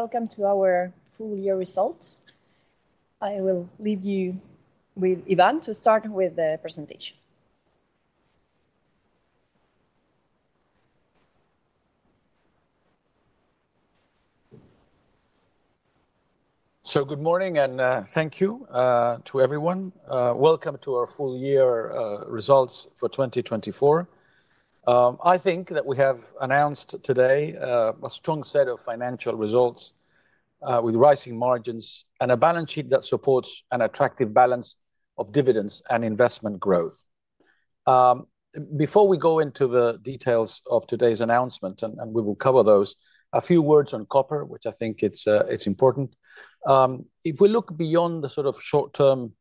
Welcome to our full year results. I will leave you with Iván to start with the presentation. So, good morning, and thank you to everyone. Welcome to our full year results for 2024. I think that we have announced today a strong set of financial results with rising margins and a balance sheet that supports an attractive balance of dividends and investment growth. Before we go into the details of today's announcement, and we will cover those, a few words on copper, which I think it's important. If we look beyond the sort of short-term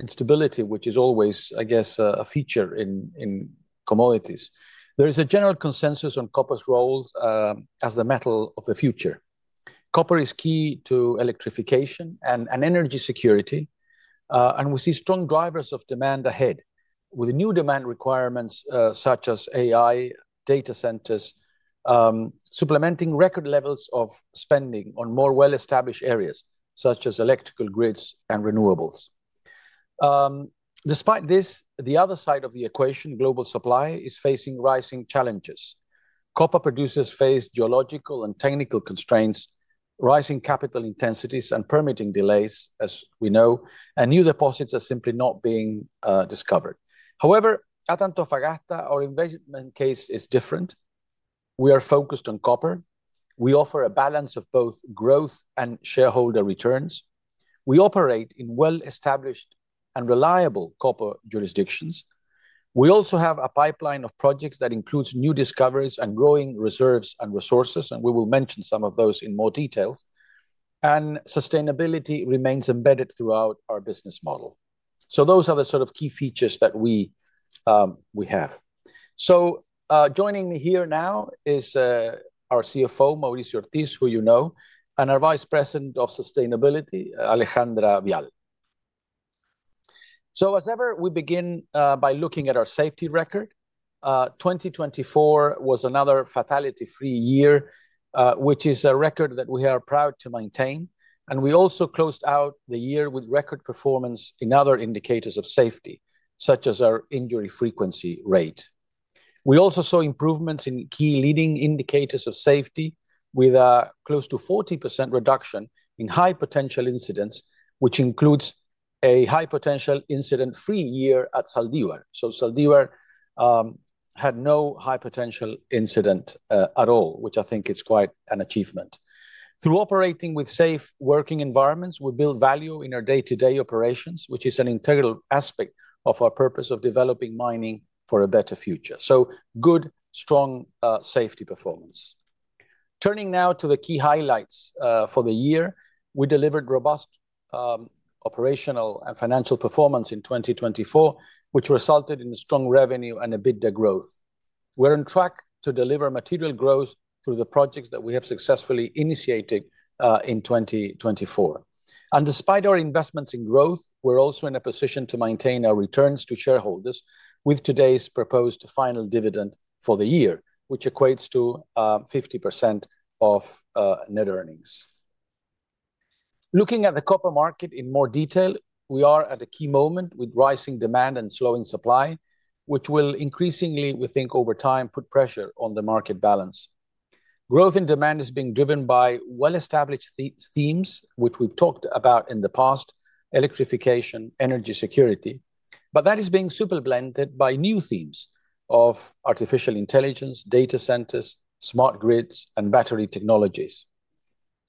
instability, which is always, I guess, a feature in commodities, there is a general consensus on copper's role as the metal of the future. Copper is key to electrification and energy security, and we see strong drivers of demand ahead with new demand requirements such as AI, data centers, supplementing record levels of spending on more well-established areas such as electrical grids and renewables. Despite this, the other side of the equation, global supply, is facing rising challenges. Copper producers face geological and technical constraints, rising capital intensities, and permitting delays, as we know, and new deposits are simply not being discovered. However, at Antofagasta, our investment case is different. We are focused on copper. We offer a balance of both growth and shareholder returns. We operate in well-established and reliable copper jurisdictions. We also have a pipeline of projects that includes new discoveries and growing reserves and resources, and we will mention some of those in more detail. And sustainability remains embedded throughout our business model. So those are the sort of key features that we have. So joining me here now is our CFO, Mauricio Ortiz, who you know, and our Vice President of Sustainability, Alejandra Vial. So as ever, we begin by looking at our safety record.2024 was another fatality-free year, which is a record that we are proud to maintain. We also closed out the year with record performance in other indicators of safety, such as our injury frequency rate. We also saw improvements in key leading indicators of safety with a close to 40% reduction in high potential incidents, which includes a high potential incident-free year at Zaldívar. Zaldívar had no high potential incident at all, which I think is quite an achievement. Through operating with safe working environments, we build value in our day-to-day operations, which is an integral aspect of our purpose of developing mining for a better future. Good, strong safety performance. Turning now to the key highlights for the year, we delivered robust operational and financial performance in 2024, which resulted in strong revenue and EBITDA growth. We're on track to deliver material growth through the projects that we have successfully initiated in 2024, and despite our investments in growth, we're also in a position to maintain our returns to shareholders with today's proposed final dividend for the year, which equates to 50% of net earnings. Looking at the copper market in more detail, we are at a key moment with rising demand and slowing supply, which will increasingly, we think, over time put pressure on the market balance. Growth in demand is being driven by well-established themes, which we've talked about in the past, electrification, energy security, but that is being supercharged by new themes of artificial intelligence, data centers, smart grids, and battery technologies.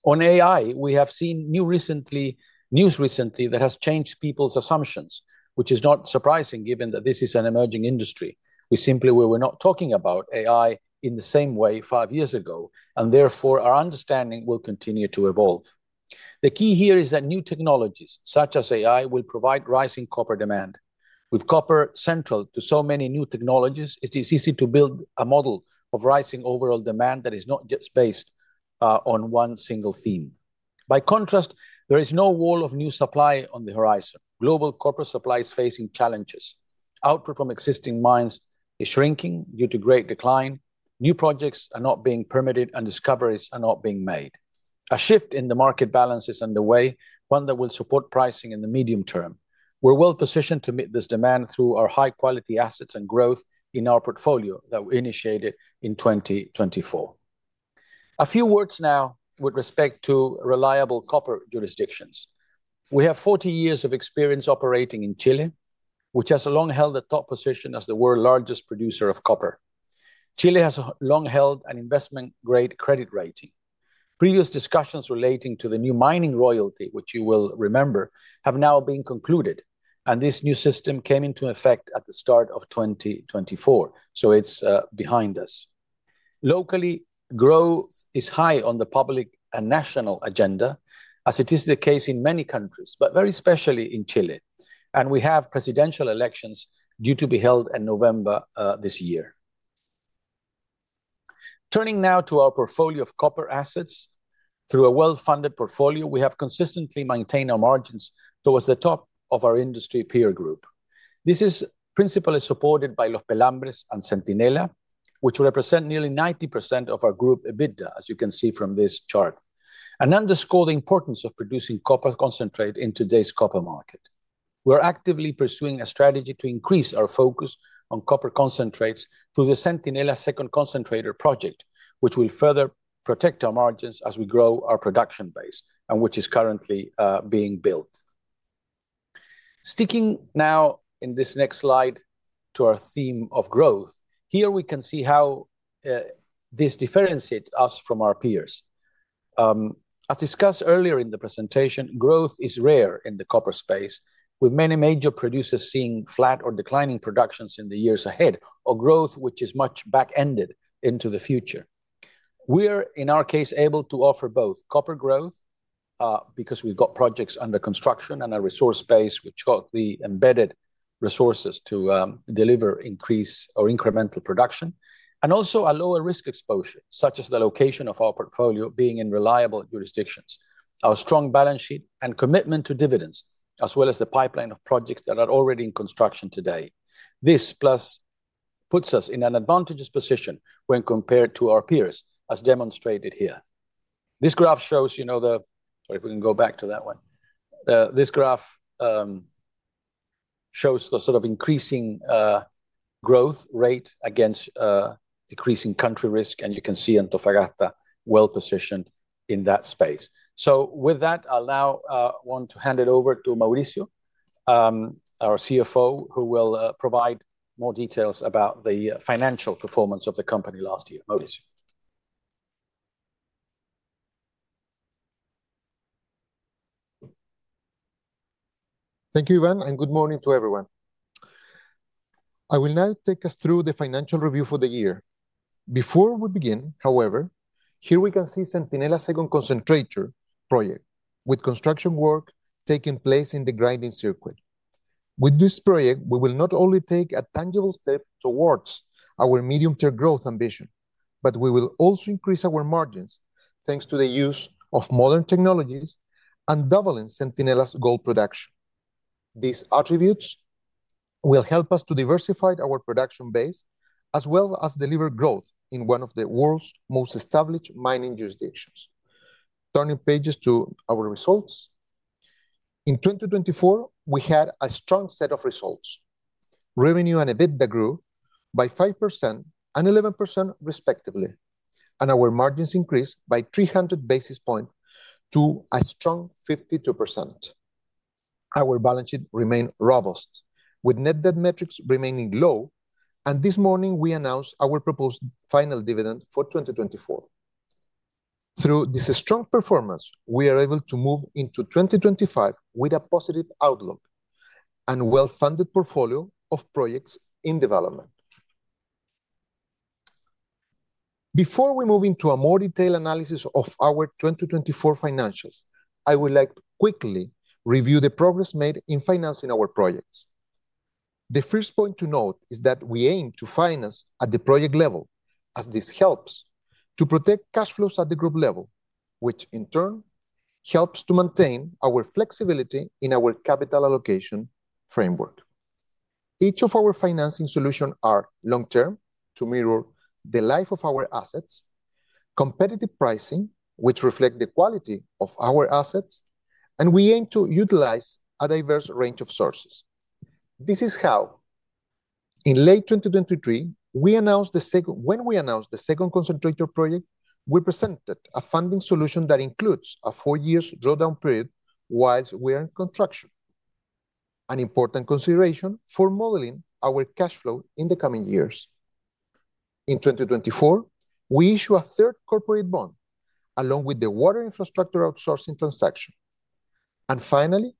On AI, we have seen news recently that has changed people's assumptions, which is not surprising given that this is an emerging industry. We simply were not talking about AI in the same way five years ago, and therefore our understanding will continue to evolve. The key here is that new technologies such as AI will provide rising copper demand. With copper central to so many new technologies, it is easy to build a model of rising overall demand that is not just based on one single theme. By contrast, there is no wall of new supply on the horizon. Global copper supply is facing challenges. Output from existing mines is shrinking due to grade decline. New projects are not being permitted and discoveries are not being made. A shift in the market balance is underway, one that will support pricing in the medium term. We're well positioned to meet this demand through our high-quality assets and growth in our portfolio that we initiated in 2024. A few words now with respect to reliable copper jurisdictions. We have 40 years of experience operating in Chile, which has long held the top position as the world's largest producer of copper. Chile has long held an investment-grade credit rating. Previous discussions relating to the new mining royalty, which you will remember, have now been concluded, and this new system came into effect at the start of 2024, so it's behind us. Locally, growth is high on the public and national agenda, as it is the case in many countries, but very specially in Chile, and we have presidential elections due to be held in November this year. Turning now to our portfolio of copper assets, through a well-funded portfolio, we have consistently maintained our margins towards the top of our industry peer group. This is principally supported by Los Pelambres and Centinela, which represent nearly 90% of our group EBITDA, as you can see from this chart, and underscore the importance of producing copper concentrate in today's copper market. We're actively pursuing a strategy to increase our focus on copper concentrates through the Centinela Second Concentrator project, which will further protect our margins as we grow our production base and which is currently being built. Sticking now in this next slide to our theme of growth, here we can see how this differentiates us from our peers. As discussed earlier in the presentation, growth is rare in the copper space, with many major producers seeing flat or declining productions in the years ahead, or growth which is much back-ended into the future. We're in our case able to offer both copper growth because we've got projects under construction and a resource base which got the embedded resources to deliver increase or incremental production, and also a lower risk exposure, such as the location of our portfolio being in reliable jurisdictions, our strong balance sheet, and commitment to dividends, as well as the pipeline of projects that are already in construction today. This plus puts us in an advantageous position when compared to our peers, as demonstrated here. This graph shows, you know, the sort of increasing growth rate against decreasing country risk, and you can see Antofagasta well positioned in that space. So with that, I now want to hand it over to Mauricio, our CFO, who will provide more details about the financial performance of the company last year. Mauricio. Thank you, Iván, and good morning to everyone. I will now take us through the financial review for the year. Before we begin, however, here we can see Centinela Second Concentrator project with construction work taking place in the grinding circuit. With this project, we will not only take a tangible step towards our medium-term growth ambition, but we will also increase our margins thanks to the use of modern technologies and doubling Centinela gold production. These attributes will help us to diversify our production base as well as deliver growth in one of the world's most established mining jurisdictions. Turning pages to our results. In 2024, we had a strong set of results. Revenue and EBITDA grew by 5% and 11% respectively, and our margins increased by 300 basis points to a strong 52%. Our balance sheet remained robust, with net debt metrics remaining low, and this morning we announced our proposed final dividend for 2024. Through this strong performance, we are able to move into 2025 with a positive outlook and a well-funded portfolio of projects in development. Before we move into a more detailed analysis of our 2024 financials, I would like to quickly review the progress made in financing our projects. The first point to note is that we aim to finance at the project level, as this helps to protect cash flows at the group level, which in turn helps to maintain our flexibility in our capital allocation framework. Each of our financing solutions are long-term to mirror the life of our assets, competitive pricing, which reflects the quality of our assets, and we aim to utilize a diverse range of sources. This is how, in late 2023, when we announced the second concentrator project, we presented a funding solution that includes a four-year drawdown period while we are in construction, an important consideration for modeling our cash flow in the coming years. In 2024, we issued a third corporate bond along with the water infrastructure outsourcing transaction. And finally,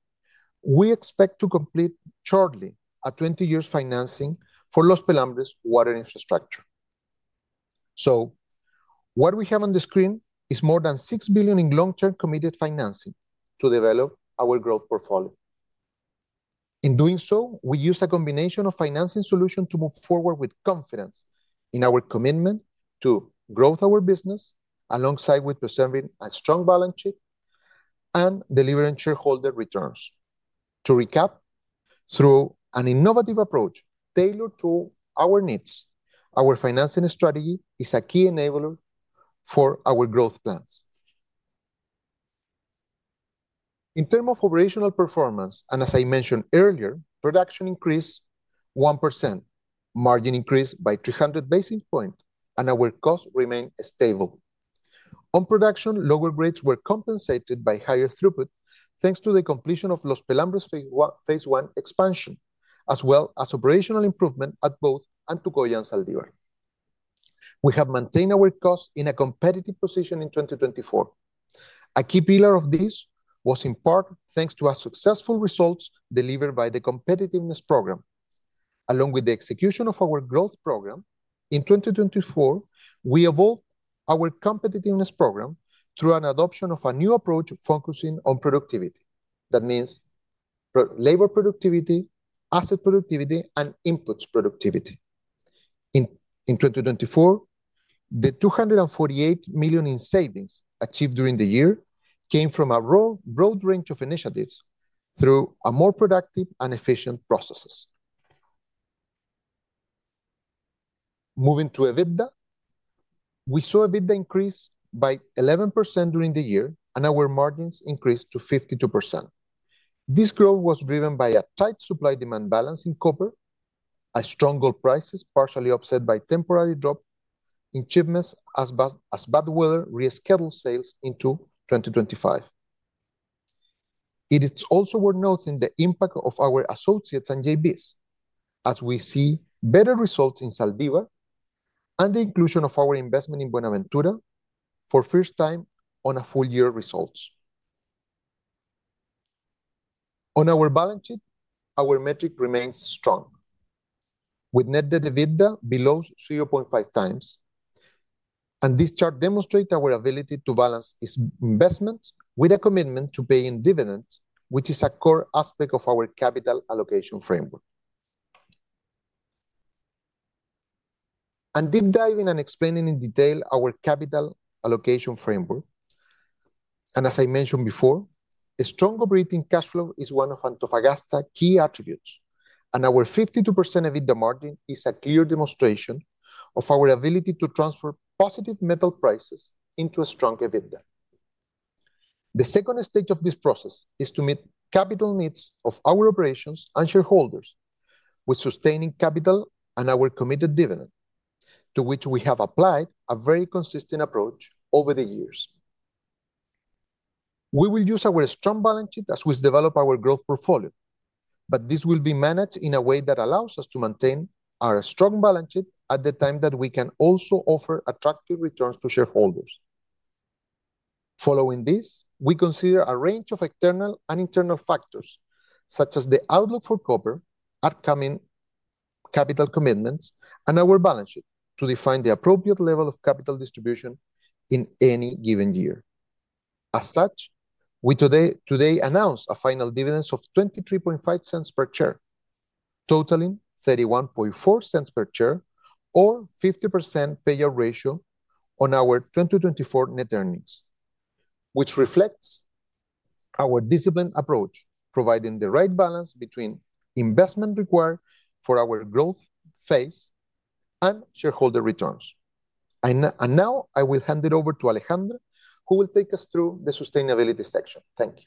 we expect to complete shortly a 20-year financing for Los Pelambres water infrastructure. So what we have on the screen is more than $6 billion in long-term committed financing to develop our growth portfolio. In doing so, we use a combination of financing solutions to move forward with confidence in our commitment to grow our business alongside preserving a strong balance sheet and delivering shareholder returns. To recap, through an innovative approach tailored to our needs, our financing strategy is a key enabler for our growth plans. In terms of operational performance, and as I mentioned earlier, production increased 1%, margin increased by 300 basis points, and our costs remained stable. On production, lower grades were compensated by higher throughput thanks to the completion of Los Pelambres phase I expansion, as well as operational improvement at both Antofagasta and Zaldívar. We have maintained our costs in a competitive position in 2024. A key pillar of this was in part thanks to our successful results delivered by the competitiveness program. Along with the execution of our growth program, in 2024, we evolved our competitiveness program through an adoption of a new approach focusing on productivity. That means labor productivity, asset productivity, and inputs productivity. In 2024, the $248 million in savings achieved during the year came from a broad range of initiatives through more productive and efficient processes. Moving to EBITDA, we saw EBITDA increase by 11% during the year, and our margins increased to 52%. This growth was driven by a tight supply-demand balance in copper, strong gold prices partially offset by temporary drop in shipments as bad weather rescheduled sales into 2025. It is also worth noting the impact of our associates and JBs, as we see better results in Zaldívar and the inclusion of our investment in Buenaventura for the first time on a full year results. On our balance sheet, our metric remains strong, with net debt EBITDA below 0.5 times, and this chart demonstrates our ability to balance investments with a commitment to paying dividends, which is a core aspect of our capital allocation framework. And deep diving and explaining in detail our capital allocation framework, and as I mentioned before, a strong operating cash flow is one of Antofagasta's key attributes, and our 52% EBITDA margin is a clear demonstration of our ability to transfer positive metal prices into a strong EBITDA. The second stage of this process is to meet capital needs of our operations and shareholders with sustaining capital and our committed dividend, to which we have applied a very consistent approach over the years. We will use our strong balance sheet as we develop our growth portfolio, but this will be managed in a way that allows us to maintain our strong balance sheet at the time that we can also offer attractive returns to shareholders. Following this, we consider a range of external and internal factors, such as the outlook for copper, upcoming capital commitments, and our balance sheet to define the appropriate level of capital distribution in any given year. As such, we today announce a final dividend of $0.235 per share, totaling $0.314 per share, or 50% payout ratio on our 2024 net earnings, which reflects our disciplined approach, providing the right balance between investment required for our growth phase and shareholder returns. And now I will hand it over to Alejandra, who will take us through the sustainability section. Thank you.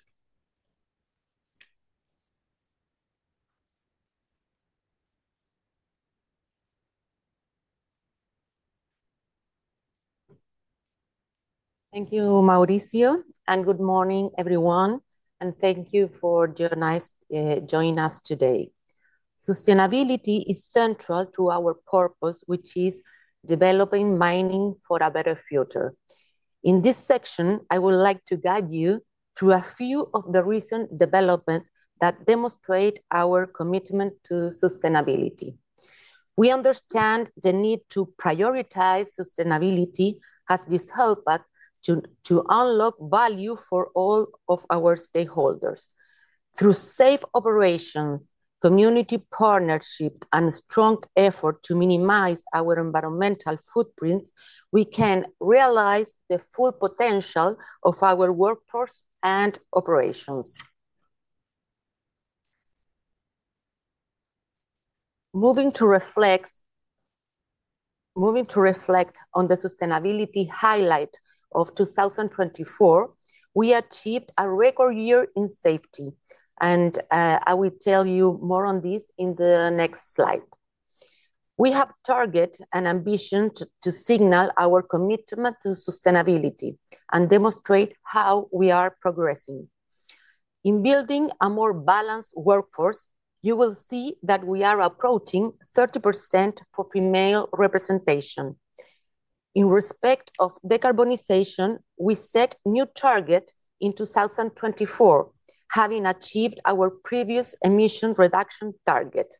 Thank you, Mauricio, and good morning, everyone, and thank you for joining us today. Sustainability is central to our purpose, which is developing mining for a better future. In this section, I would like to guide you through a few of the recent developments that demonstrate our commitment to sustainability. We understand the need to prioritize sustainability as this help us to unlock value for all of our stakeholders. Through safe operations, community partnerships, and a strong effort to minimize our environmental footprints, we can realize the full potential of our workforce and operations. Moving to reflect on the sustainability highlight of 2024, we achieved a record year in safety, and I will tell you more on this in the next slide. We have targets and ambitions to signal our commitment to sustainability and demonstrate how we are progressing. In building a more balanced workforce, you will see that we are approaching 30% for female representation. In respect of decarbonization, we set new targets in 2024, having achieved our previous emission reduction target,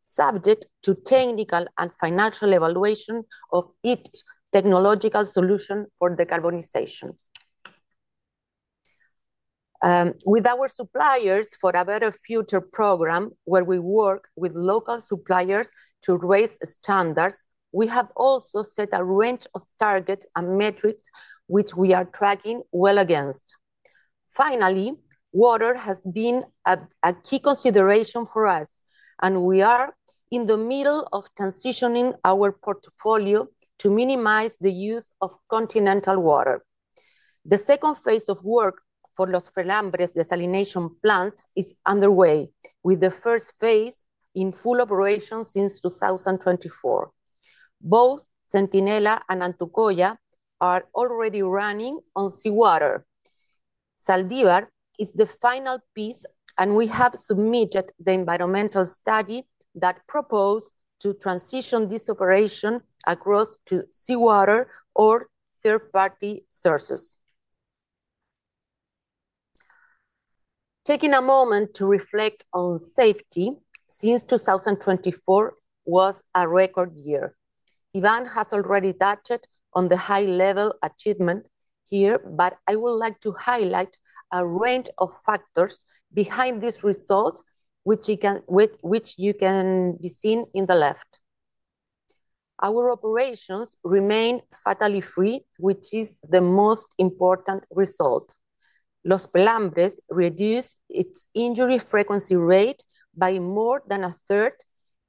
subject to technical and financial evaluation of each technological solution for decarbonization. With our Suppliers for a Better Future program, where we work with local suppliers to raise standards, we have also set a range of targets and metrics which we are tracking well against. Finally, water has been a key consideration for us, and we are in the middle of transitioning our portfolio to minimize the use of continental water. The phase II of work for Los Pelambres Desalination Plant is underway, with the in full operation since 2024. Both Centinela and Antofagasta are already running on seawater. Zaldívar is the final piece, and we have submitted the environmental study that proposed to transition this operation across to seawater or third-party sources. Taking a moment to reflect on safety, since 2024 was a record year. Iván has already touched on the high-level achievement here, but I would like to highlight a range of factors behind this result, which you can see on the left. Our operations remain fatality free, which is the most important result. Los Pelambres reduced its injury frequency rate by more than a third,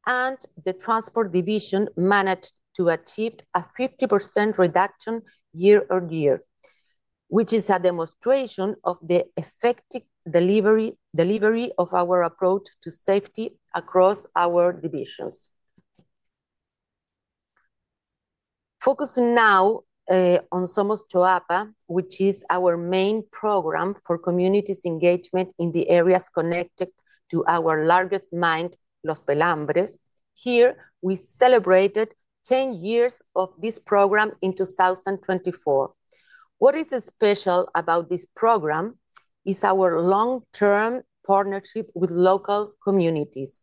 and the transport division managed to achieve a 50% reduction year-on-year, which is a demonstration of the effective delivery of our approach to safety across our divisions. Focusing now on Somos Choapa, which is our main program for communities' engagement in the areas connected to our largest mine, Los Pelambres. Here, we celebrated 10 years of this program in 2024. What is special about this program is our long-term partnership with local communities.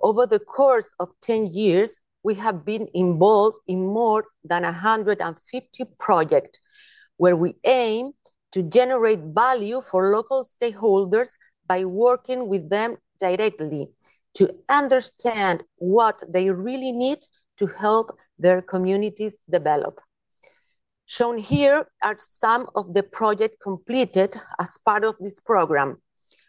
Over the course of 10 years, we have been involved in more than 150 projects where we aim to generate value for local stakeholders by working with them directly to understand what they really need to help their communities develop. Shown here are some of the projects completed as part of this program,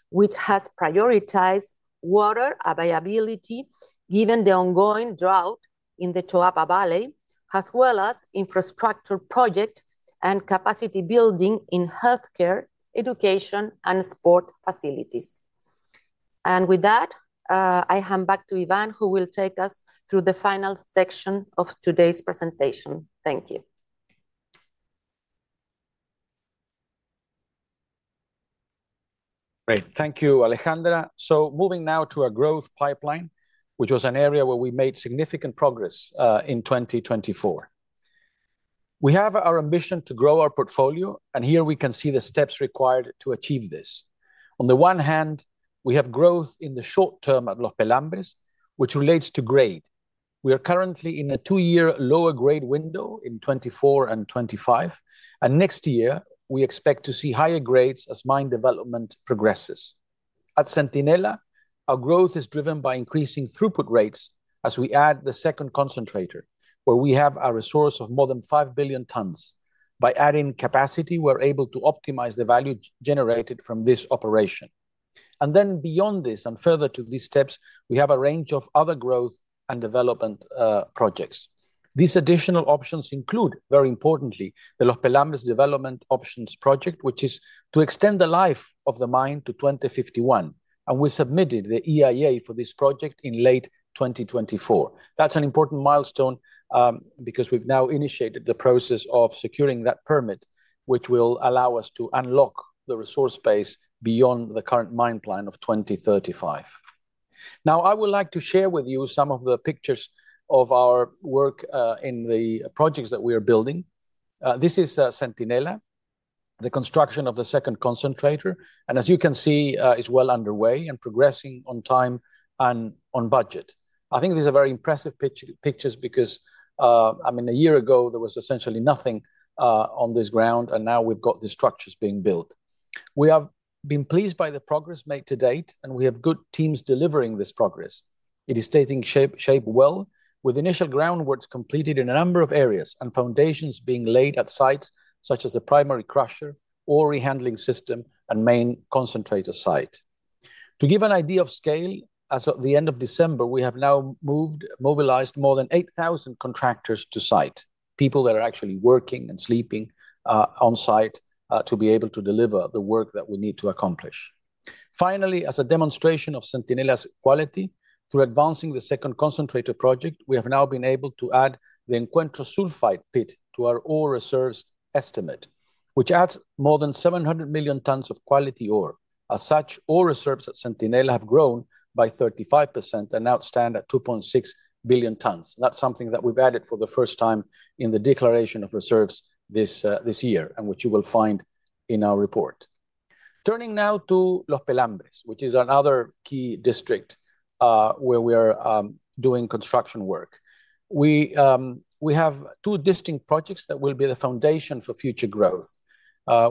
which has prioritized water availability given the ongoing drought in the Choapa Valley, as well as infrastructure projects and capacity building in healthcare, education, and sport facilities, and with that, I hand back to Iván, who will take us through the final section of today's presentation. Thank you. Great. Thank you, Alejandra. So moving now to our growth pipeline, which was an area where we made significant progress in 2024. We have our ambition to grow our portfolio, and here we can see the steps required to achieve this. On the one hand, we have growth in the short term at Los Pelambres, which relates to grade. We are currently in a two-year lower grade window in 2024 and 2025, and next year we expect to see higher grades as mine development progresses. At Centinela, our growth is driven by increasing throughput rates as we add the second concentrator, where we have a resource of more than five billion tons. By adding capacity, we're able to optimize the value generated from this operation. And then beyond this and further to these steps, we have a range of other growth and development projects. These additional options include, very importantly, the Los Pelambres Development Options Project, which is to extend the life of the mine to 2051, and we submitted the EIA for this project in late 2024. That's an important milestone because we've now initiated the process of securing that permit, which will allow us to unlock the resource base beyond the current mine plan of 2035. Now, I would like to share with you some of the pictures of our work in the projects that we are building. This is Centinela, the construction of the second concentrator, and as you can see, it's well underway and progressing on time and on budget. I think these are very impressive pictures because, I mean, a year ago, there was essentially nothing on this ground, and now we've got the structures being built. We have been pleased by the progress made to date, and we have good teams delivering this progress. It is taking shape well, with initial groundworks completed in a number of areas and foundations being laid at sites such as the primary crusher, ore handling system, and main concentrator site. To give an idea of scale, as at the end of December, we have now mobilized more than 8,000 contractors to site, people that are actually working and sleeping on site to be able to deliver the work that we need to accomplish. Finally, as a demonstration of Centinela's quality, through advancing the second concentrator project, we have now been able to add the Encuentro Sulphide Pit to our ore reserves estimate, which adds more than 700 million tons of quality ore. As such, ore reserves at Centinela have grown by 35% and now stand at 2.6 billion tons. That's something that we've added for the first time in the declaration of reserves this year, and which you will find in our report. Turning now to Los Pelambres, which is another key district where we are doing construction work. We have two distinct projects that will be the foundation for future growth.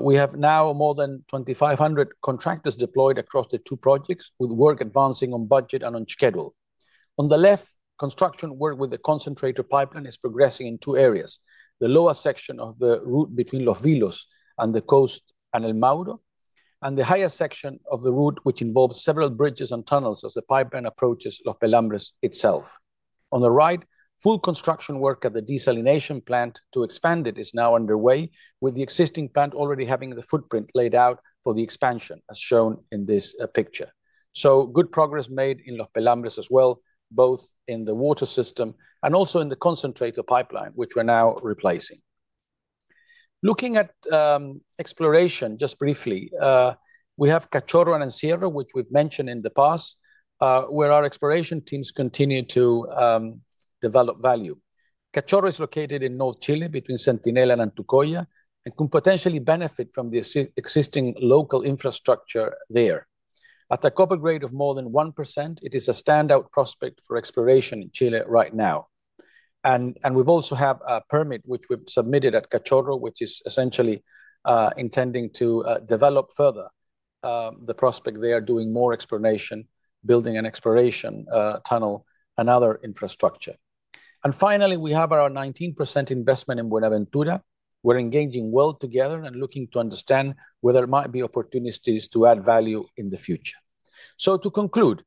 We have now more than 2,500 contractors deployed across the two projects, with work advancing on budget and on schedule. On the left, construction work with the concentrator pipeline is progressing in two areas: the lower section of the route between Los Vilos and the coast and El Mauro, and the higher section of the route, which involves several bridges and tunnels as the pipeline approaches Los Pelambres itself. On the right, full construction work at the desalination plant to expand it is now underway, with the existing plant already having the footprint laid out for the expansion, as shown in this picture. Good progress made in Los Pelambres as well, both in the water system and also in the concentrator pipeline, which we're now replacing. Looking at exploration, just briefly, we have Cachorro and Encierro, which we've mentioned in the past, where our exploration teams continue to develop value. Cachorro is located in North Chile, between Centinela and Antucoya, and can potentially benefit from the existing local infrastructure there. At a copper grade of more than 1%, it is a standout prospect for exploration in Chile right now. We've also had a permit, which we've submitted at Cachorro, which is essentially intending to develop further the prospect. They are doing more exploration, building an exploration tunnel and other infrastructure. Finally, we have our 19% investment in Buenaventura. We're engaging well together and looking to understand whether there might be opportunities to add value in the future. To conclude,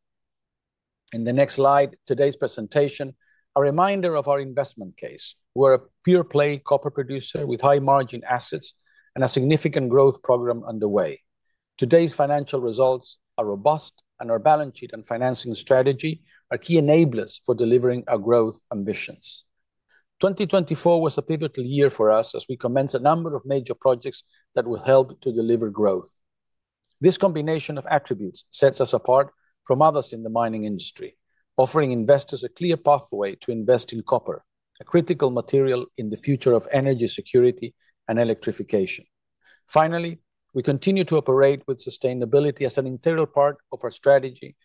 in the next slide, today's presentation are reminder of our investment case. We're a pure-play copper producer with high-margin assets and a significant growth program underway. Today's financial results are robust, and our balance sheet and financing strategy are key enablers for delivering our growth ambitions. 2024 was a pivotal year for us as we commenced a number of major projects that will help to deliver growth. This combination of attributes sets us apart from others in the mining industry, offering investors a clear pathway to invest in copper, a critical material in the future of energy security and electrification. Finally, we continue to operate with sustainability as an integral part of our strategy,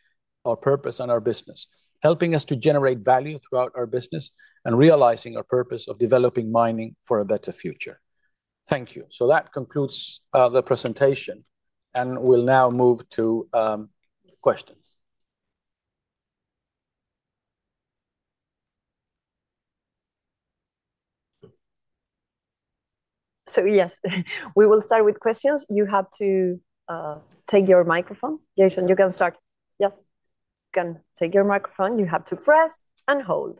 our purpose, and our business, helping us to generate value throughout our business and realizing our purpose of developing mining for a better future. Thank you. So that concludes the presentation, and we'll now move to questions. So yes, we will start with questions. You have to take your microphone. Jason, you can start. Yes. You can take your microphone. You have to press and hold.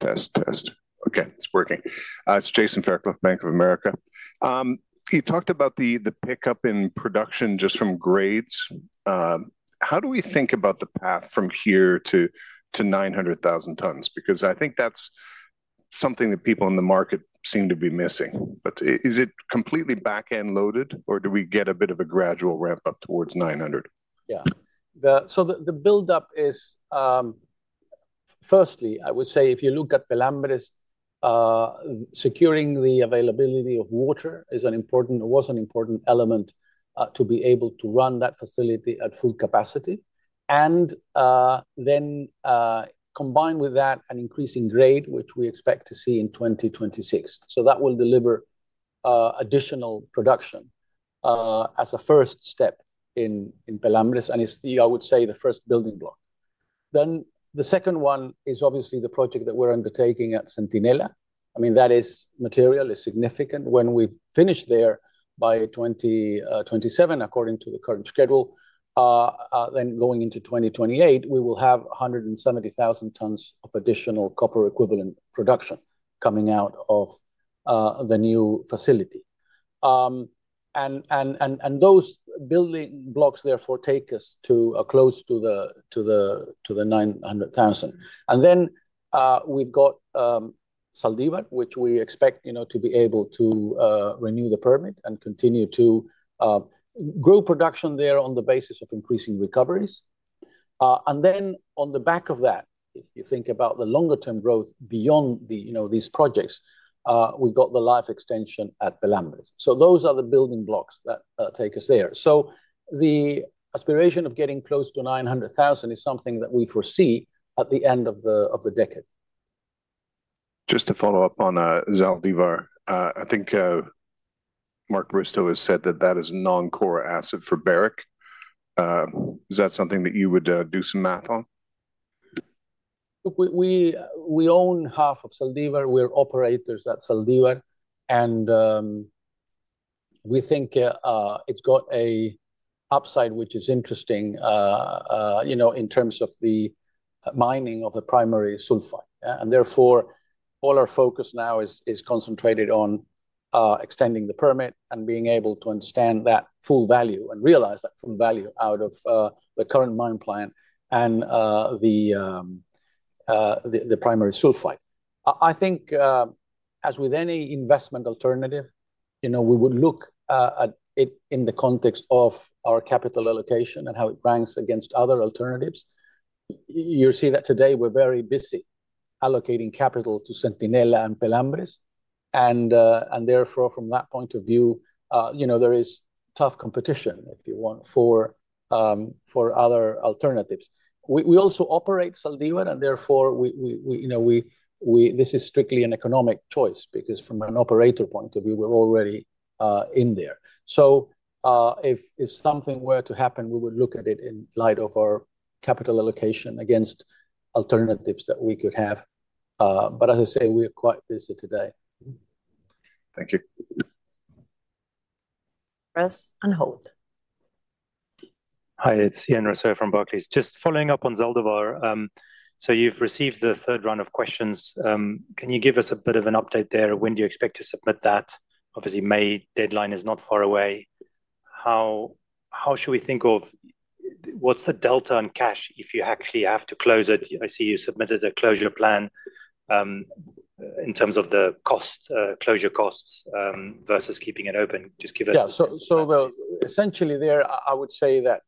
Test, test. Okay, it's working. It's Jason Fairclough, Bank of America. You talked about the pickup in production just from grades. How do we think about the path from here to 900,000 tons? Because I think that's something that people in the market seem to be missing. But is it completely back-end loaded, or do we get a bit of a gradual ramp up towards 900? Yeah. So the buildup is, firstly, I would say if you look at Pelambres, securing the availability of water is an important or was an important element to be able to run that facility at full capacity. And then combined with that, an increasing grade, which we expect to see in 2026. So that will deliver additional production as a first step in Pelambres, and I would say the first building block. Then the second one is obviously the project that we're undertaking at Centinela. I mean, that material is significant. When we finish there by 2027, according to the current schedule, then going into 2028, we will have 170,000 tons of additional copper-equivalent production coming out of the new facility. And those building blocks therefore take us close to the 900,000. And then we've got Zaldívar, which we expect to be able to renew the permit and continue to grow production there on the basis of increasing recoveries. And then on the back of that, if you think about the longer-term growth beyond these projects, we've got the life extension at Pelambres. So those are the building blocks that take us there. So the aspiration of getting close to 900,000 is something that we foresee at the end of the decade. Just to follow up on Zaldívar, I think Mark Bristow has said that that is non-core asset for Barrick. Is that something that you would do some math on? We own half of Zaldívar. We're operators at Zaldívar, and we think it's got an upside, which is interesting in terms of the mining of the primary sulfide. Therefore, all our focus now is concentrated on extending the permit and being able to understand that full value and realize that full value out of the current mine plant and the primary sulfide. I think as with any investment alternative, we would look at it in the context of our capital allocation and how it ranks against other alternatives. You see that today we're very busy allocating capital to Centinela and Pelambres, and therefore, from that point of view, there is tough competition, if you want, for other alternatives. We also operate Zaldívar, and therefore, this is strictly an economic choice because from an operator point of view, we're already in there. So if something were to happen, we would look at it in light of our capital allocation against alternatives that we could have. But as I say, we're quite busy today. Thank you. Press and hold. Hi, it's Ian Rossouw from Barclays. Just following up on Zaldívar, so you've received the third round of questions. Can you give us a bit of an update there? When do you expect to submit that? Obviously, May deadline is not far away. How should we think of what's the delta in cash if you actually have to close it? I see you submitted a closure plan in terms of the closure costs versus keeping it open. Just give us. Yeah. So essentially there, I would say that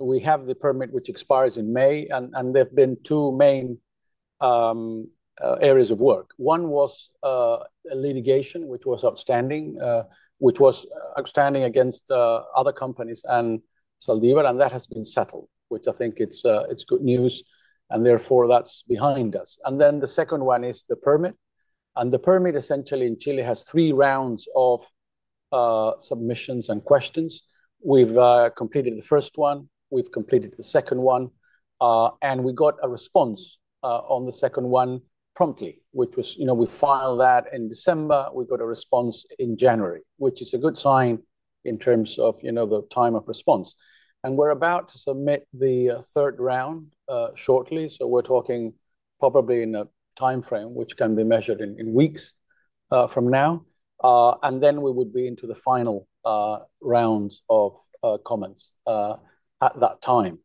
we have the permit, which expires in May, and there've been two main areas of work. One was litigation, which was outstanding against other companies and Zaldívar, and that has been settled, which I think it's good news, and therefore that's behind us. And then the second one is the permit. And the permit essentially in Chile has three rounds of submissions and questions. We've completed the first one. We've completed the second one, and we got a response on the second one promptly, which was we filed that in December. We got a response in January, which is a good sign in terms of the time of response. And we're about to submit the third round shortly, so we're talking probably in a timeframe which can be measured in weeks from now. And then we would be into the final rounds of comments at that time,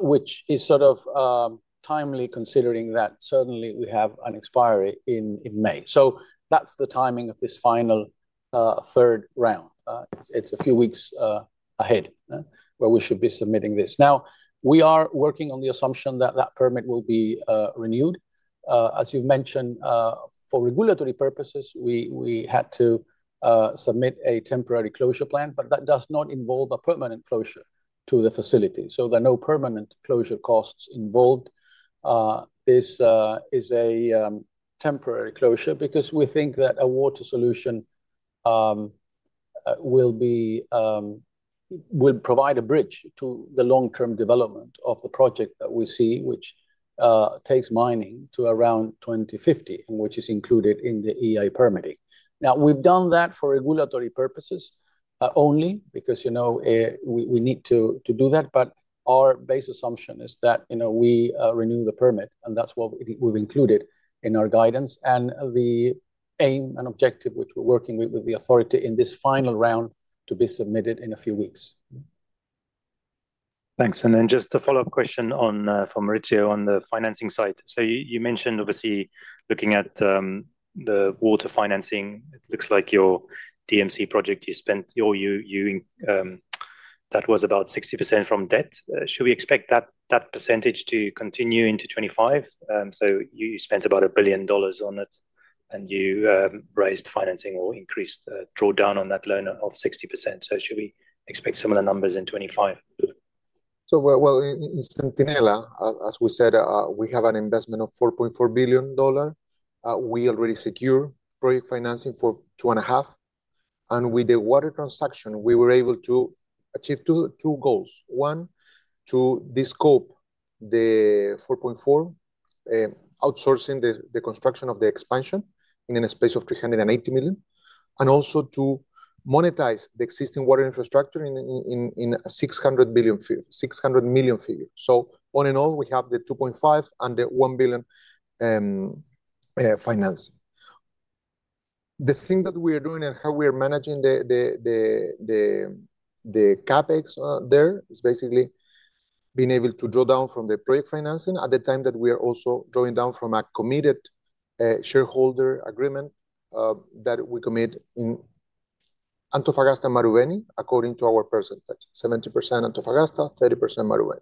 which is sort of timely considering that suddenly we have an expiry in May. So that's the timing of this final third round. It's a few weeks ahead where we should be submitting this. Now, we are working on the assumption that that permit will be renewed. As you've mentioned, for regulatory purposes, we had to submit a temporary closure plan, but that does not involve a permanent closure to the facility. So there are no permanent closure costs involved. This is a temporary closure because we think that a water solution will provide a bridge to the long-term development of the project that we see, which takes mining to around 2050, which is included in the EI permitting. Now, we've done that for regulatory purposes only because we need to do that, but our base assumption is that we renew the permit, and that's what we've included in our guidance, and the aim and objective, which we're working with the authority in this final round, is to be submitted in a few weeks. Thanks. And then just a follow-up question from Mauricio on the financing side. So you mentioned, obviously, looking at the water financing, it looks like your DMC project, you spent that was about 60% from debt. Should we expect that percentage to continue into 2025? So you spent about $1 billion on it, and you raised financing or increased the drawdown on that loan of 60%. So should we expect similar numbers in 2025? In Centinela, as we said, we have an investment of $4.4 billion. We already secure project financing for $2.5 billion. And with the water transaction, we were able to achieve two goals. One, to descope the $4.4 billion, outsourcing the construction of the expansion in a space of $380 million, and also to monetize the existing water infrastructure in a $600 million figure. All in all, we have the $2.5 billion and the $1 billion financing. The thing that we are doing and how we are managing the CapEx there is basically being able to draw down from the project financing at the time that we are also drawing down from a committed shareholder agreement that we commit in Antofagasta and Marubeni, according to our percentage: 70% Antofagasta, 30% Marubeni.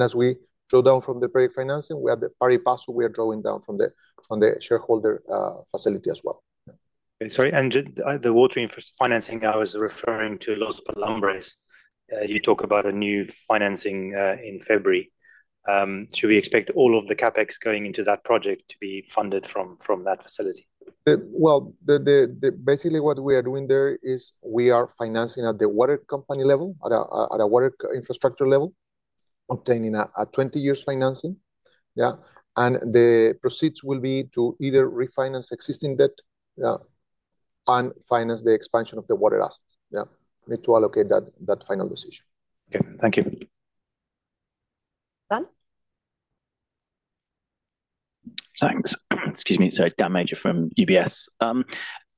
As we draw down from the project financing, we have the Los Pelambres. We are drawing down from the shareholder facility as well. Sorry, and the water financing. I was referring to Los Pelambres. You talk about a new financing in February. Should we expect all of the CapEx going into that project to be funded from that facility? Well, basically what we are doing there is we are financing at the water company level, at a water infrastructure level, obtaining a 20-year financing. And the proceeds will be to either refinance existing debt and finance the expansion of the water assets. We need to allocate that final decision. Okay. Thank you. Thanks. Excuse me. So, Dan Major from UBS.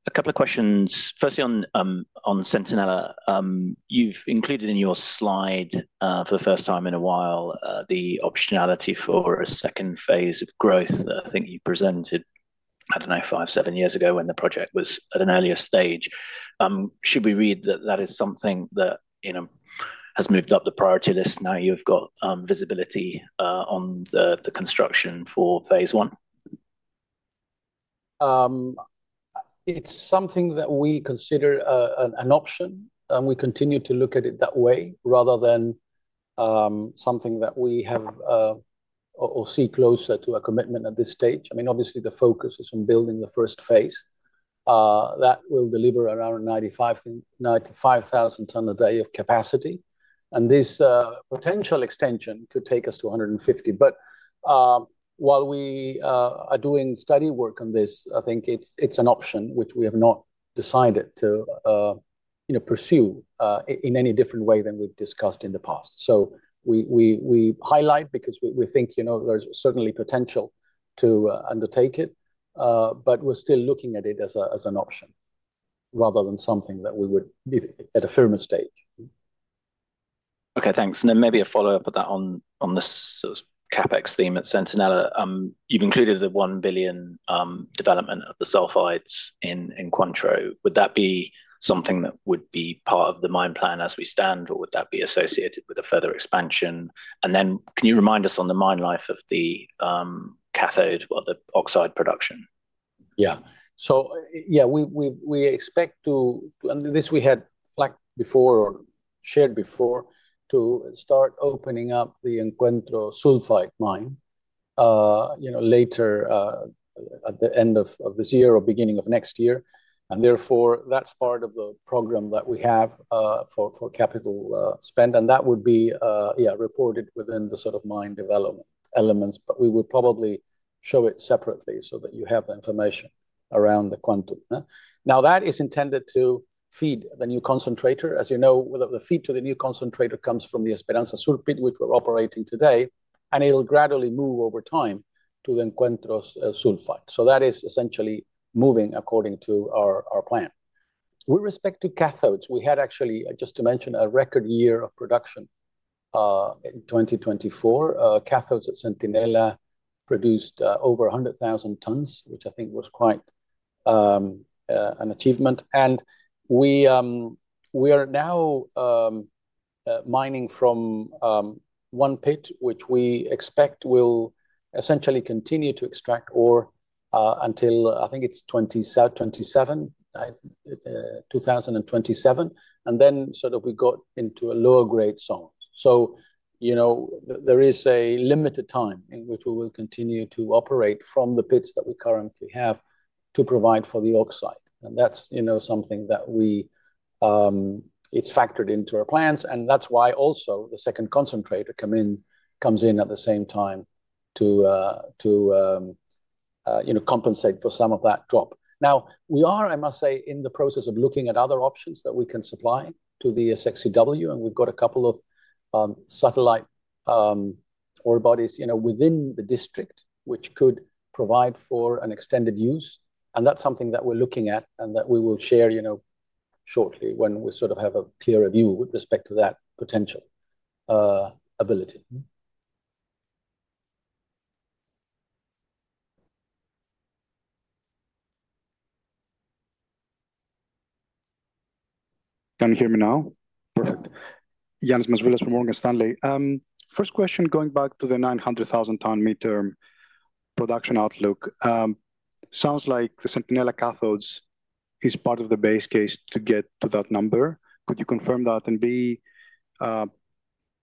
A couple of questions. Firstly, on Centinela, you've included in your slide for the first time in a while the optionality for a phase II of growth. I think you presented, I don't know, five, seven years ago when the project was at an earlier stage. Should we read that that is something that has moved up the priority list? Now you've got visibility on the construction for phase I? It's something that we consider an option, and we continue to look at it that way rather than something that we have or see closer to a commitment at this stage. I mean, obviously, the focus is on building the phase I. That will deliver around 95,000 tons a day of capacity, and this potential extension could take us to 150, but while we are doing study work on this, I think it's an option which we have not decided to pursue in any different way than we've discussed in the past, so we highlight because we think there's certainly potential to undertake it, but we're still looking at it as an option rather than something that we would at a firmer stage. Okay. Thanks. And then maybe a follow-up on this CapEx theme at Centinela. You've included the $1 billion development of the sulfides in Encuentro. Would that be something that would be part of the mine plan as we stand, or would that be associated with a further expansion? And then can you remind us on the mine life of the cathode or the oxide production? Yeah. So yeah, we expect to, and this we had flagged before or shared before, to start opening up the Encuentro Sulfide mine later at the end of this year or beginning of next year. And therefore, that's part of the program that we have for capital spend. And that would be, yeah, reported within the sort of mine development elements, but we would probably show it separately so that you have the information around the quantum. Now, that is intended to feed the new concentrator. As you know, the feed to the new concentrator comes from the Esperanza Sulfide, which we're operating today, and it'll gradually move over time to the Encuentro Sulfide. So that is essentially moving according to our plan. With respect to cathodes, we had actually, just to mention, a record year of production in 2024. Cathodes at Centinela produced over 100,000 tons, which I think was quite an achievement. We are now mining from one pit, which we expect will essentially continue to extract ore until, I think it's 2027, and then sort of we got into a lower-grade zone. There is a limited time in which we will continue to operate from the pits that we currently have to provide for the oxide. That's something that it's factored into our plans, and that's why also the second concentrator comes in at the same time to compensate for some of that drop. Now, we are, I must say, in the process of looking at other options that we can supply to the SX-EW, and we've got a couple of satellite ore bodies within the district which could provide for an extended use. That's something that we're looking at and that we will share shortly when we sort of have a clearer view with respect to that potential ability. Can you hear me now? Perfect. Ioannis Masvoulas from Morgan Stanley. First question, going back to the 900,000 tonne production outlook, sounds like the Centinela cathodes is part of the base case to get to that number. Could you confirm that? And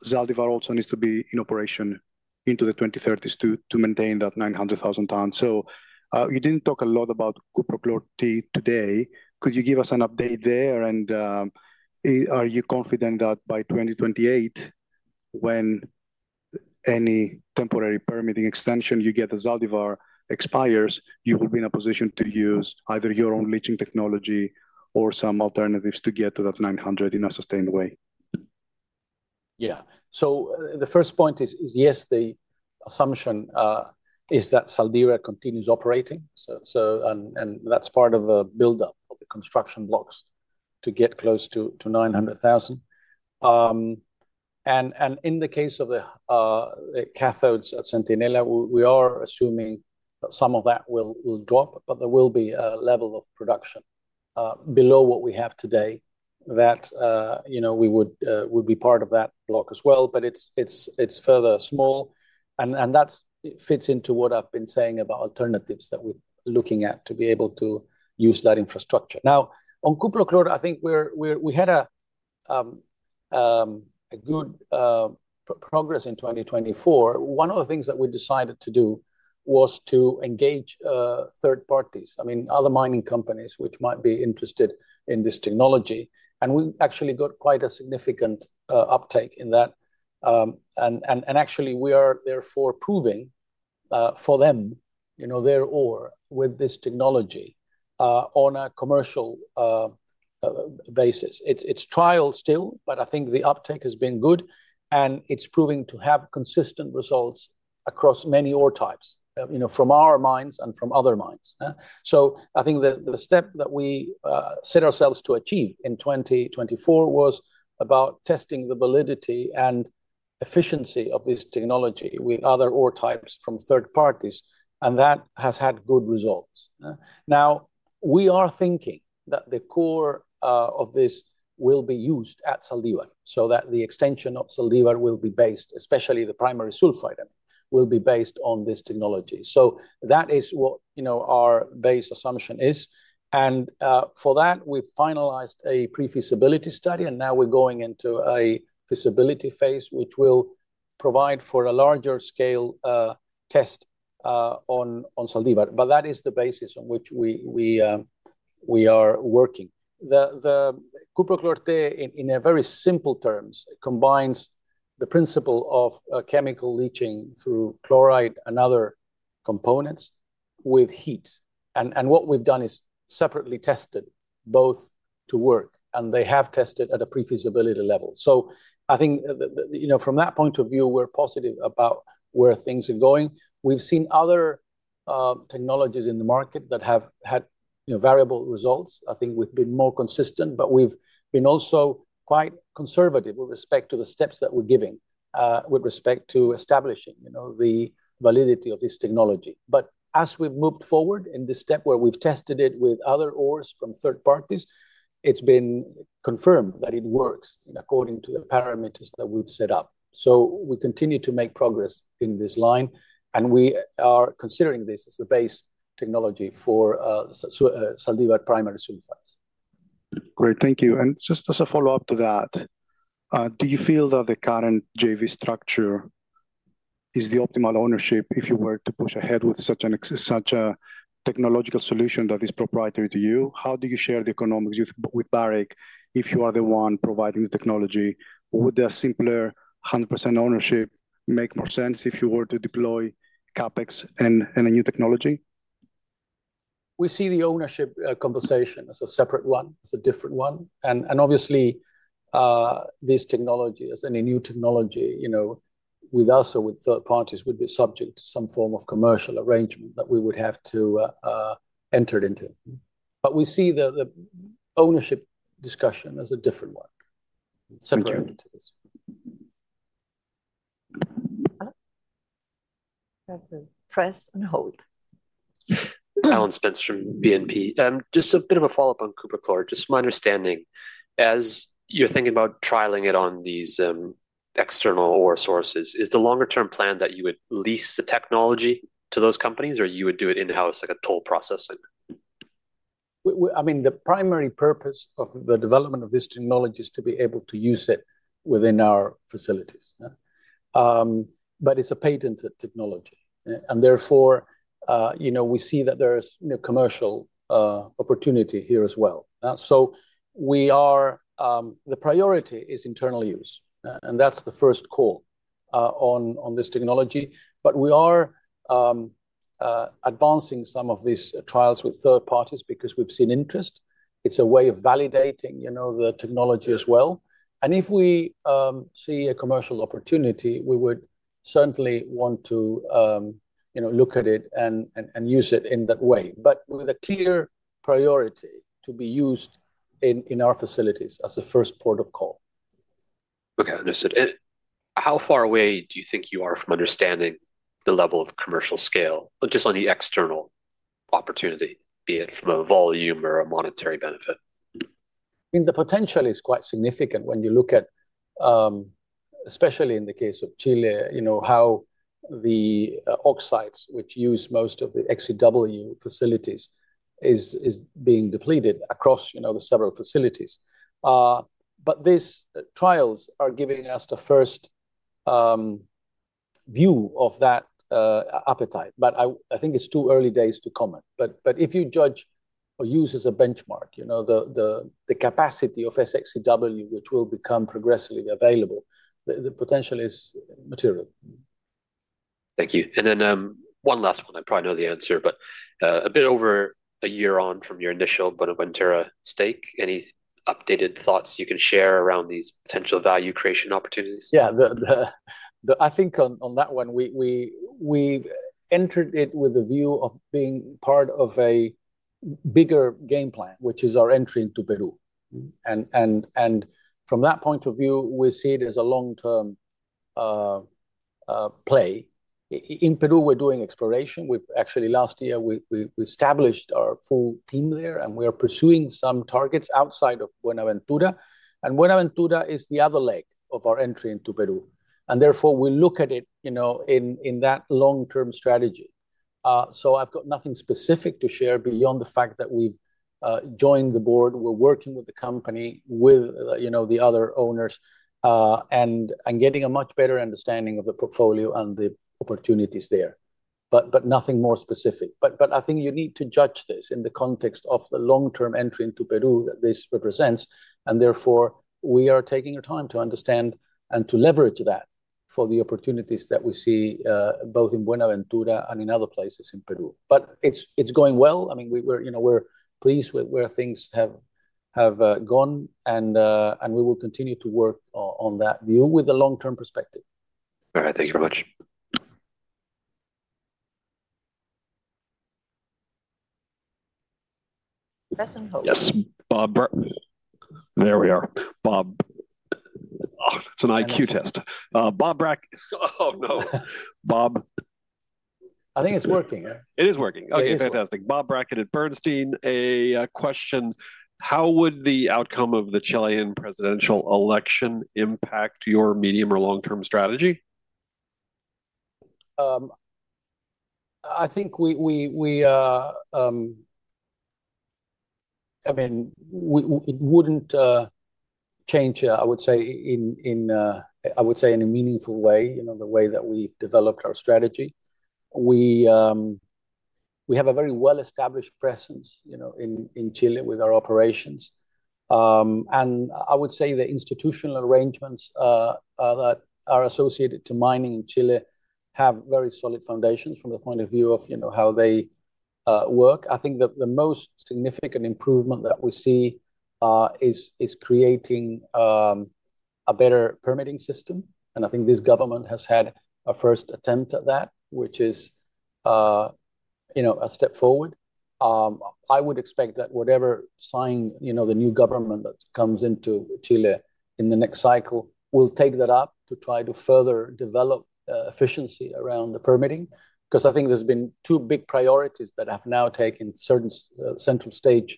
Zaldívar also needs to be in operation into the 2030s to maintain that 900,000 tonnes. So you didn't talk a lot about Cuprochlor-T today. Could you give us an update there? And are you confident that by 2028, when any temporary permitting extension you get at Zaldívar expires, you will be in a position to use either your own leaching technology or some alternatives to get to that 900 in a sustained way? Yeah, so the first point is, yes, the assumption is that Zaldívar continues operating, and that's part of a buildup of the construction blocks to get close to 900,000. And in the case of the cathodes at Centinela, we are assuming that some of that will drop, but there will be a level of production below what we have today that we would be part of that block as well, but it's further small. And that fits into what I've been saying about alternatives that we're looking at to be able to use that infrastructure. Now, on Cuprochlor, I think we had good progress in 2024. One of the things that we decided to do was to engage third parties, I mean, other mining companies which might be interested in this technology. And we actually got quite a significant uptake in that. Actually, we are therefore proving for them their ore with this technology on a commercial basis. It's trial still, but I think the uptake has been good, and it's proving to have consistent results across many ore types from our mines and from other mines. I think the step that we set ourselves to achieve in 2024 was about testing the validity and efficiency of this technology with other ore types from third parties, and that has had good results. We are thinking that the core of this will be used at Zaldívar so that the extension of Zaldívar will be based, especially the primary sulfide, on this technology. That is what our base assumption is. For that, we finalized a pre-feasibility study, and now we're going into a feasibility phase which will provide for a larger scale test on Zaldívar. But that is the basis on which we are working. The Cuprochlor-T, in very simple terms, combines the principle of chemical leaching through chloride and other components with heat. And what we've done is separately tested both to work, and they have tested at a pre-feasibility level. So I think from that point of view, we're positive about where things are going. We've seen other technologies in the market that have had variable results. I think we've been more consistent, but we've been also quite conservative with respect to the steps that we're giving with respect to establishing the validity of this technology. But as we've moved forward in this step where we've tested it with other ores from third parties, it's been confirmed that it works according to the parameters that we've set up. We continue to make progress in this line, and we are considering this as the base technology for Zaldívar primary sulfides. Great. Thank you. And just as a follow-up to that, do you feel that the current JV structure is the optimal ownership if you were to push ahead with such a technological solution that is proprietary to you? How do you share the economics with Barrick if you are the one providing the technology? Would a simpler 100% ownership make more sense if you were to deploy CapEx and a new technology? We see the ownership conversation as a separate one, as a different one. And obviously, this technology as any new technology with us or with third parties would be subject to some form of commercial arrangement that we would have to enter into. But we see the ownership discussion as a different one, separate entities. Press and hold. Alan Spence from BNP. Just a bit of a follow-up on Cuprochlor. Just my understanding, as you're thinking about trialing it on these external ore sources, is the longer-term plan that you would lease the technology to those companies or you would do it in-house like a toll processing? I mean, the primary purpose of the development of this technology is to be able to use it within our facilities. But it's a patented technology. And therefore, we see that there is commercial opportunity here as well. So the priority is internal use, and that's the first call on this technology. But we are advancing some of these trials with third parties because we've seen interest. It's a way of validating the technology as well. And if we see a commercial opportunity, we would certainly want to look at it and use it in that way, but with a clear priority to be used in our facilities as a first port of call. Okay. Understood. How far away do you think you are from understanding the level of commercial scale, just on the external opportunity, be it from a volume or a monetary benefit? I mean, the potential is quite significant when you look at, especially in the case of Chile, how the oxides which use most of the SX-EW facilities is being depleted across the several facilities. But these trials are giving us the first view of that appetite. But I think it's too early days to comment. But if you judge or use as a benchmark the capacity of SX-EW, which will become progressively available, the potential is material. Thank you. And then one last one. I probably know the answer, but a bit over a year on from your initial Buenaventura stake, any updated thoughts you can share around these potential value creation opportunities? Yeah. I think on that one, we entered it with a view of being part of a bigger game plan, which is our entry into Peru, and from that point of view, we see it as a long-term play. In Peru, we're doing exploration. Actually, last year, we established our full team there, and we are pursuing some targets outside of Buenaventura, and Buenaventura is the other leg of our entry into Peru, and therefore, we look at it in that long-term strategy, so I've got nothing specific to share beyond the fact that we've joined the board. We're working with the company, with the other owners, and getting a much better understanding of the portfolio and the opportunities there, but nothing more specific, but I think you need to judge this in the context of the long-term entry into Peru that this represents. And therefore, we are taking our time to understand and to leverage that for the opportunities that we see both in Buenaventura and in other places in Peru. But it's going well. I mean, we're pleased with where things have gone, and we will continue to work on that view with a long-term perspective. All right. Thank you very much. Press and hold. Yes. Bob. There we are. It's an IQ test. Bob Brackett. Oh, no. I think it's working. It is working. Okay. Fantastic. Bob Brackett at Bernstein. A question. How would the outcome of the Chilean presidential election impact your medium or long-term strategy? I think, I mean, it wouldn't change, I would say, in a meaningful way, the way that we've developed our strategy. We have a very well-established presence in Chile with our operations. I would say the institutional arrangements that are associated to mining in Chile have very solid foundations from the point of view of how they work. I think the most significant improvement that we see is creating a better permitting system. I think this government has had a first attempt at that, which is a step forward. I would expect that whichever side the new government that comes into Chile in the next cycle will take that up to try to further develop efficiency around the permitting because I think there's been two big priorities that have now taken center stage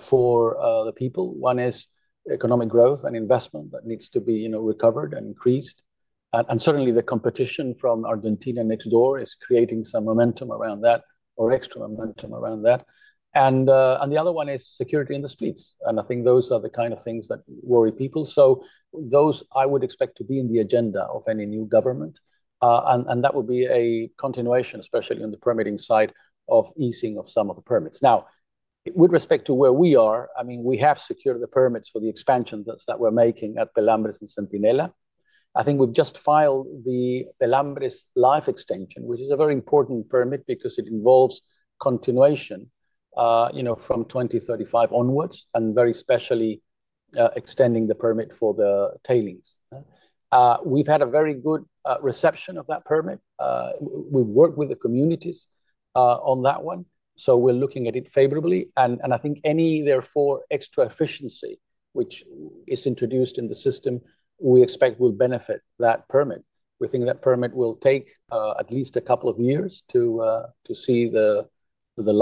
for the people. One is economic growth and investment that needs to be recovered and increased. And certainly, the competition from Argentina next door is creating some momentum around that or extra momentum around that. And the other one is security in the streets. And I think those are the kind of things that worry people. So those I would expect to be in the agenda of any new government. And that would be a continuation, especially on the permitting side of easing of some of the permits. Now, with respect to where we are, I mean, we have secured the permits for the expansions that we're making at Pelambres and Centinela. I think we've just filed the Pelambres life extension, which is a very important permit because it involves continuation from 2035 onwards and very especially extending the permit for the tailings. We've had a very good reception of that permit. We've worked with the communities on that one, so we're looking at it favorably, and I think any therefore extra efficiency which is introduced in the system, we expect will benefit that permit. We think that permit will take at least a couple of years to see the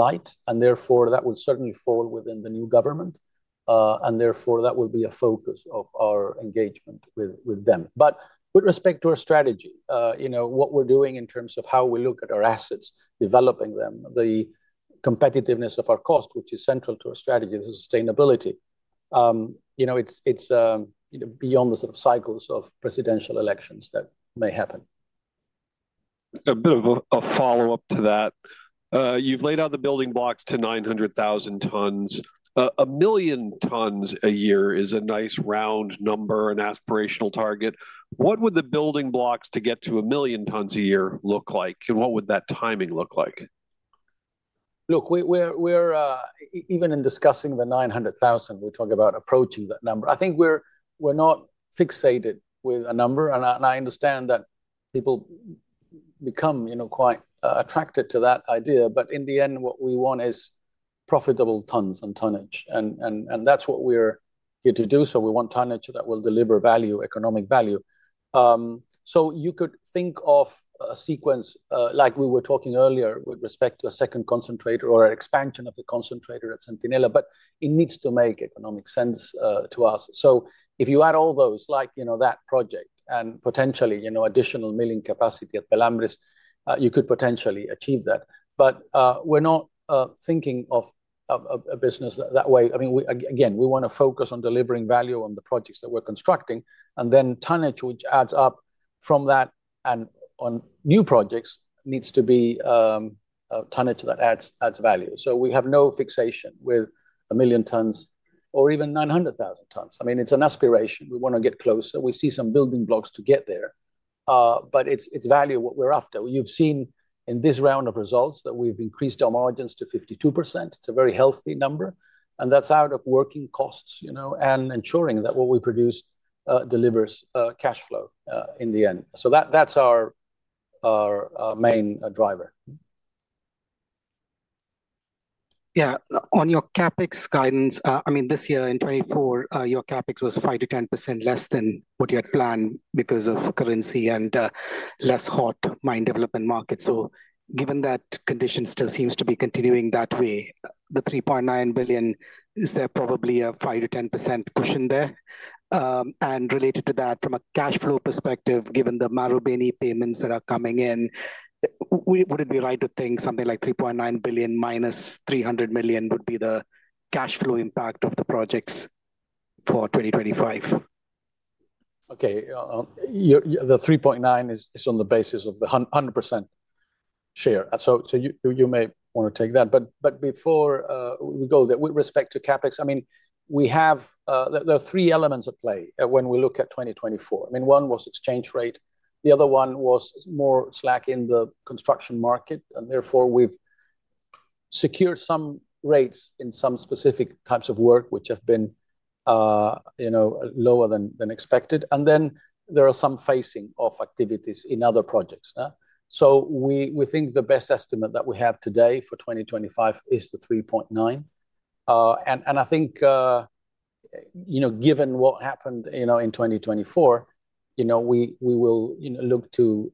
light, and therefore, that will certainly fall within the new government, and therefore, that will be a focus of our engagement with them, but with respect to our strategy, what we're doing in terms of how we look at our assets, developing them, the competitiveness of our cost, which is central to our strategy, the sustainability, it's beyond the sort of cycles of presidential elections that may happen. A bit of a follow-up to that. You've laid out the building blocks to 900,000 tons. A million tons a year is a nice round number, an aspirational target. What would the building blocks to get to a million tons a year look like? And what would that timing look like? Look, even in discussing the 900,000, we're talking about approaching that number. I think we're not fixated with a number. And I understand that people become quite attracted to that idea. But in the end, what we want is profitable tons and tonnage. And that's what we're here to do. So we want tonnage that will deliver value, economic value. So you could think of a sequence, like we were talking earlier, with respect to a second concentrator or an expansion of the concentrator at Centinela, but it needs to make economic sense to us. So if you add all those, like that project and potentially additional milling capacity at Pelambres, you could potentially achieve that. But we're not thinking of a business that way. I mean, again, we want to focus on delivering value on the projects that we're constructing. And then tonnage, which adds up from that and on new projects, needs to be tonnage that adds value. So we have no fixation with a million tons or even 900,000 tons. I mean, it's an aspiration. We want to get closer. We see some building blocks to get there. But it's value what we're after. You've seen in this round of results that we've increased our margins to 52%. It's a very healthy number. And that's out of working costs and ensuring that what we produce delivers cash flow in the end. So that's our main driver. Yeah. On your CapEx guidance, I mean, this year in 2024, your CapEx was 5%-10% less than what you had planned because of currency and less hot mine development market. So given that condition still seems to be continuing that way, the $3.9 billion, is there probably a 5%-10% cushion there? And related to that, from a cash flow perspective, given the Marubeni payments that are coming in, would it be right to think something like $3.9 billion minus $300 million would be the cash flow impact of the projects for 2025? Okay. The 3.9 is on the basis of the 100% share. So you may want to take that. But before we go there, with respect to CapEx, I mean, there are three elements at play when we look at 2024. I mean, one was exchange rate. The other one was more slack in the construction market. And therefore, we've secured some rates in some specific types of work, which have been lower than expected. And then there are some phasing of activities in other projects. So we think the best estimate that we have today for 2025 is the 3.9. And I think given what happened in 2024, we will look to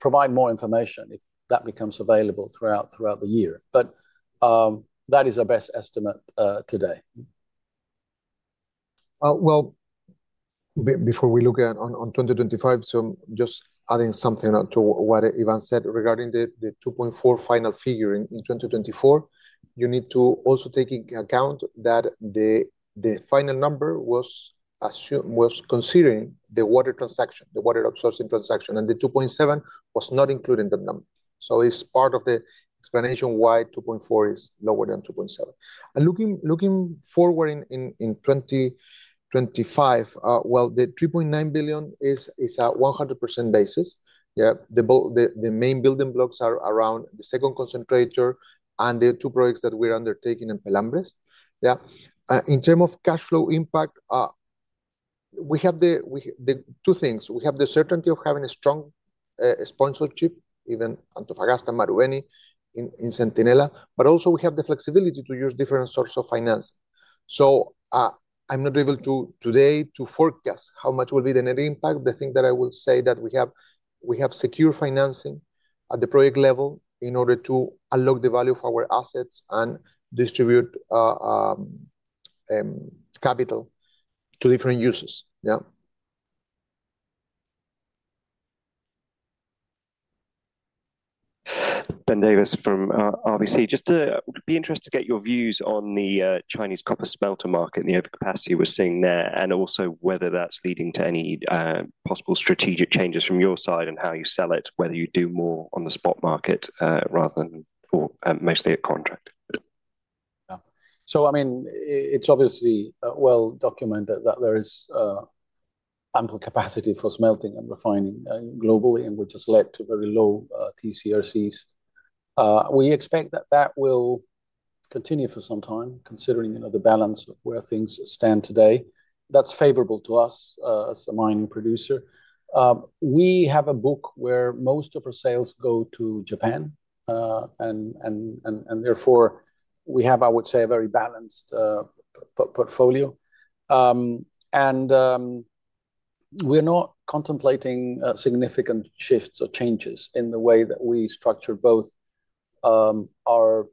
provide more information if that becomes available throughout the year. But that is our best estimate today. Well, before we look on 2025, so just adding something to what Iván said regarding the $2.4 final figure in 2024, you need to also take into account that the final number was considering the water transaction, the water outsourcing transaction, and the $2.7 was not included in that number. So it's part of the explanation why $2.4 is lower than $2.7. And looking forward in 2025, well, the $3.9 billion is a 100% basis. The main building blocks are around the second concentrator and the two projects that we're undertaking in Los Pelambres. Yeah. In terms of cash flow impact, we have the two things. We have the certainty of having a strong sponsorship, even Antofagasta, Marubeni, in Centinela. But also, we have the flexibility to use different sorts of financing. So I'm not able today to forecast how much will be the net impact. The thing that I will say is that we have secure financing at the project level in order to unlock the value of our assets and distribute capital to different uses. Yeah. Ben Davis from RBC. Just be interested to get your views on the Chinese copper smelter market and the overcapacity we're seeing there and also whether that's leading to any possible strategic changes from your side and how you sell it, whether you do more on the spot market rather than mostly at contract. Yeah. So I mean, it's obviously well documented that there is ample capacity for smelting and refining globally, and we're just led to very low TC/RCs. We expect that that will continue for some time considering the balance of where things stand today. That's favorable to us as a mining producer. We have a book where most of our sales go to Japan. And therefore, we have, I would say, a very balanced portfolio. And we're not contemplating significant shifts or changes in the way that we structure both our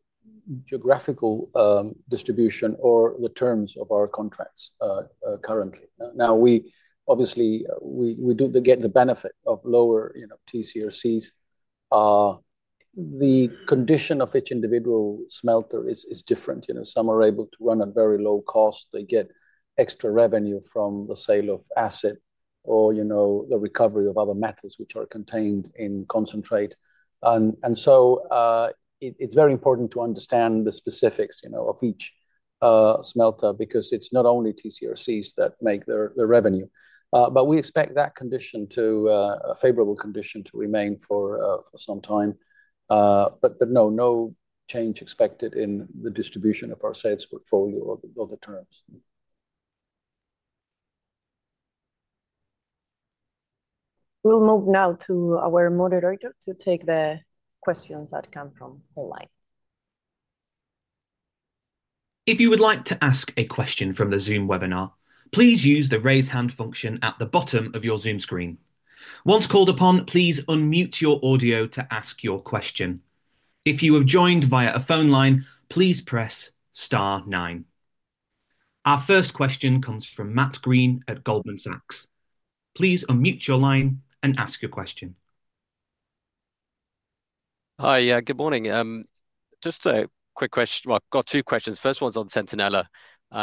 geographical distribution or the terms of our contracts currently. Now, obviously, we get the benefit of lower TC/RCs. The condition of each individual smelter is different. Some are able to run at very low cost. They get extra revenue from the sale of asset or the recovery of other metals which are contained in concentrate. It's very important to understand the specifics of each smelter because it's not only TC/RCs that make the revenue. We expect that condition, a favorable condition, to remain for some time. No change expected in the distribution of our sales portfolio or the terms. We'll move now to our moderator to take the questions that come from the line. If you would like to ask a question from the Zoom webinar, please use the raise hand function at the bottom of your Zoom screen. Once called upon, please unmute your audio to ask your question. If you have joined via a phone line, please press star nine. Our first question comes from Matt Greene at Goldman Sachs. Please unmute your line and ask your question. Hi. Good morning. Just a quick question. Well, I've got two questions. First one's on Centinela.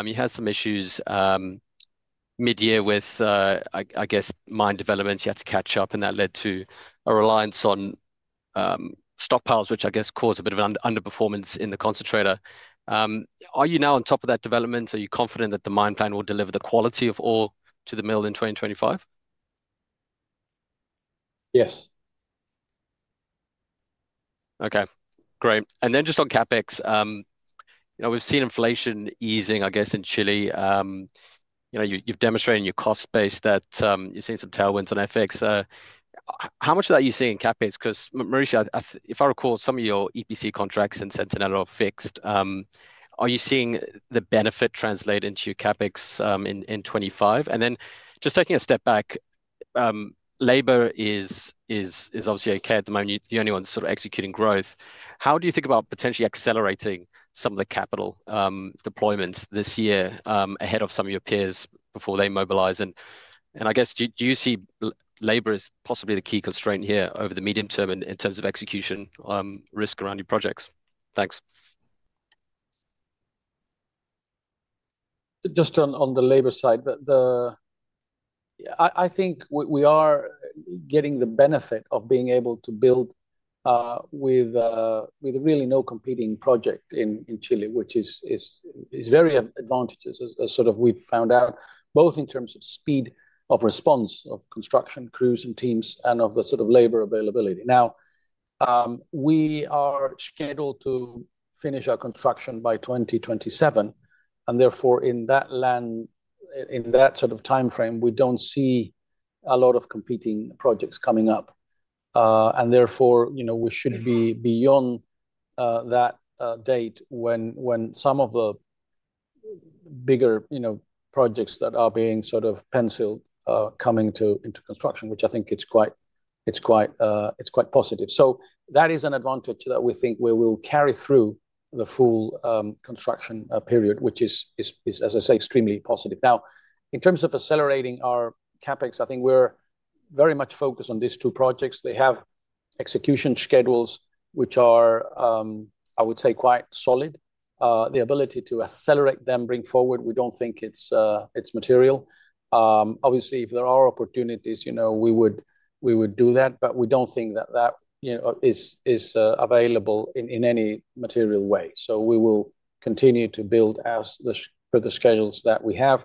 You had some issues mid-year with, I guess, mine developments. You had to catch up, and that led to a reliance on stockpiles, which I guess caused a bit of an underperformance in the concentrator. Are you now on top of that development? Are you confident that the mine plan will deliver the quality of ore to the mill in 2025? Yes. Okay. Great. And then just on CapEx, we've seen inflation easing, I guess, in Chile. You've demonstrated in your cost base that you've seen some tailwinds on FX. How much of that are you seeing in CapEx? Because, Mauricio, if I recall, some of your EPC contracts in Centinela are fixed. Are you seeing the benefit translate into CapEx in 2025? And then just taking a step back, labor is obviously okay at the moment. You're the only one sort of executing growth. How do you think about potentially accelerating some of the capital deployments this year ahead of some of your peers before they mobilize? And I guess, do you see labor as possibly the key constraint here over the medium term in terms of execution risk around your projects? Thanks. Just on the labor side, I think we are getting the benefit of being able to build with really no competing project in Chile, which is very advantageous, as sort of we've found out, both in terms of speed of response of construction crews and teams and of the sort of labor availability. Now, we are scheduled to finish our construction by 2027, and therefore, in that sort of time frame, we don't see a lot of competing projects coming up, and therefore, we should be beyond that date when some of the bigger projects that are being sort of penciled coming into construction, which I think it's quite positive, so that is an advantage that we think we will carry through the full construction period, which is, as I say, extremely positive. Now, in terms of accelerating our CapEx, I think we're very much focused on these two projects. They have execution schedules, which are, I would say, quite solid. The ability to accelerate them, bring forward, we don't think it's material. Obviously, if there are opportunities, we would do that. But we don't think that that is available in any material way. So we will continue to build for the schedules that we have.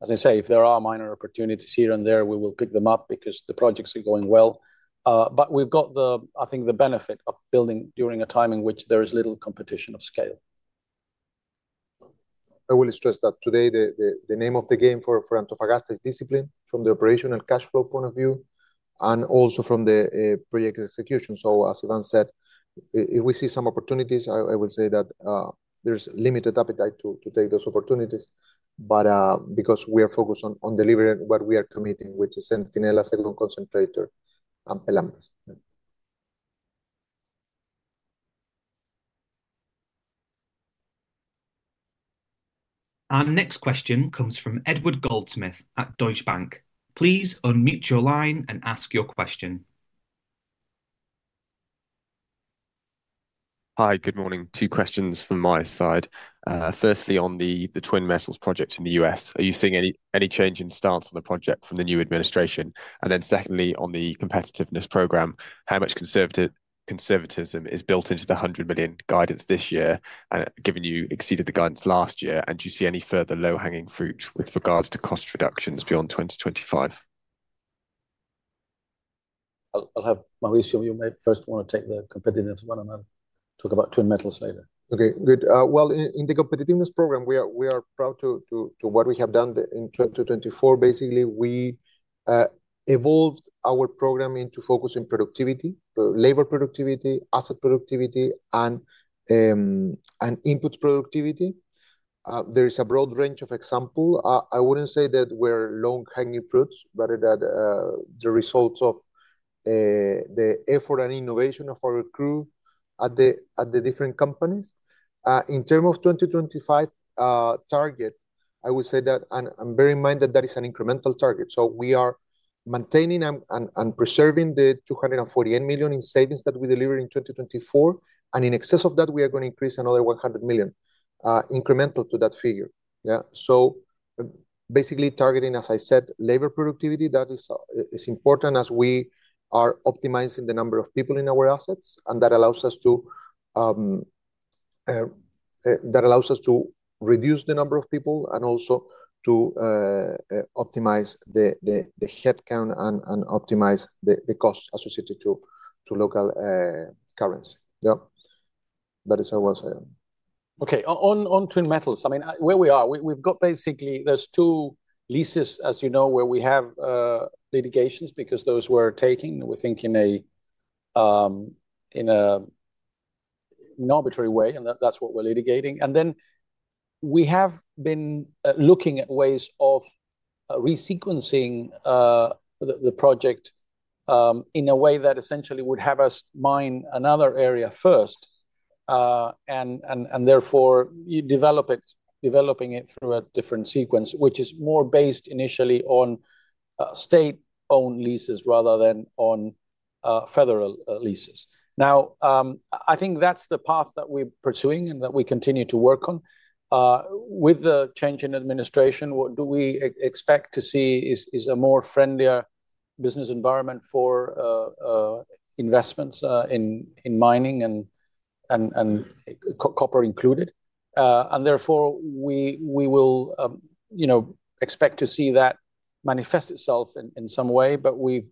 As I say, if there are minor opportunities here and there, we will pick them up because the projects are going well. But we've got, I think, the benefit of building during a time in which there is little competition of scale. I will stress that today, the name of the game for Antofagasta is discipline from the operational cash flow point of view and also from the project execution. So as Iván said, if we see some opportunities, I will say that there's limited appetite to take those opportunities because we are focused on delivering what we are committing, which is Centinela, second concentrator, and Pelambres. Our next question comes from Edward Goldsmith at Deutsche Bank. Please unmute your line and ask your question. Hi. Good morning. Two questions from my side. Firstly, on the Twin Metals project in the U.S., are you seeing any change in stance on the project from the new administration? And then secondly, on the competitiveness program, how much conservatism is built into the $100 million guidance this year and given you exceeded the guidance last year? And do you see any further low-hanging fruit with regards to cost reductions beyond 2025? I'll have Mauricio on mute. First, I want to take the competitiveness one and then talk about Twin Metals later. Okay. Good. Well, in the competitiveness program, we are proud to what we have done in 2024. Basically, we evolved our program into focusing productivity, labor productivity, asset productivity, and input productivity. There is a broad range of examples. I wouldn't say that we're low-hanging fruits, but that the results of the effort and innovation of our crew at the different companies. In terms of 2025 target, I would say that, and bear in mind that that is an incremental target, so we are maintaining and preserving the $248 million in savings that we delivered in 2024, and in excess of that, we are going to increase another $100 million incremental to that figure. Yeah, so basically targeting, as I said, labor productivity. That is important as we are optimizing the number of people in our assets. And that allows us to reduce the number of people and also to optimize the headcount and optimize the cost associated to local currency. Yeah. That is our answer. Okay. On Twin Metals, I mean, where we are, we've got basically there's two leases, as you know, where we have litigations because those were taken, we think, in an arbitrary way, and that's what we're litigating, and then we have been looking at ways of re-sequencing the project in a way that essentially would have us mine another area first and therefore developing it through a different sequence, which is more based initially on state-owned leases rather than on federal leases. Now, I think that's the path that we're pursuing and that we continue to work on. With the change in administration, what we expect to see is a more friendlier business environment for investments in mining and copper included, and therefore, we will expect to see that manifest itself in some way. But we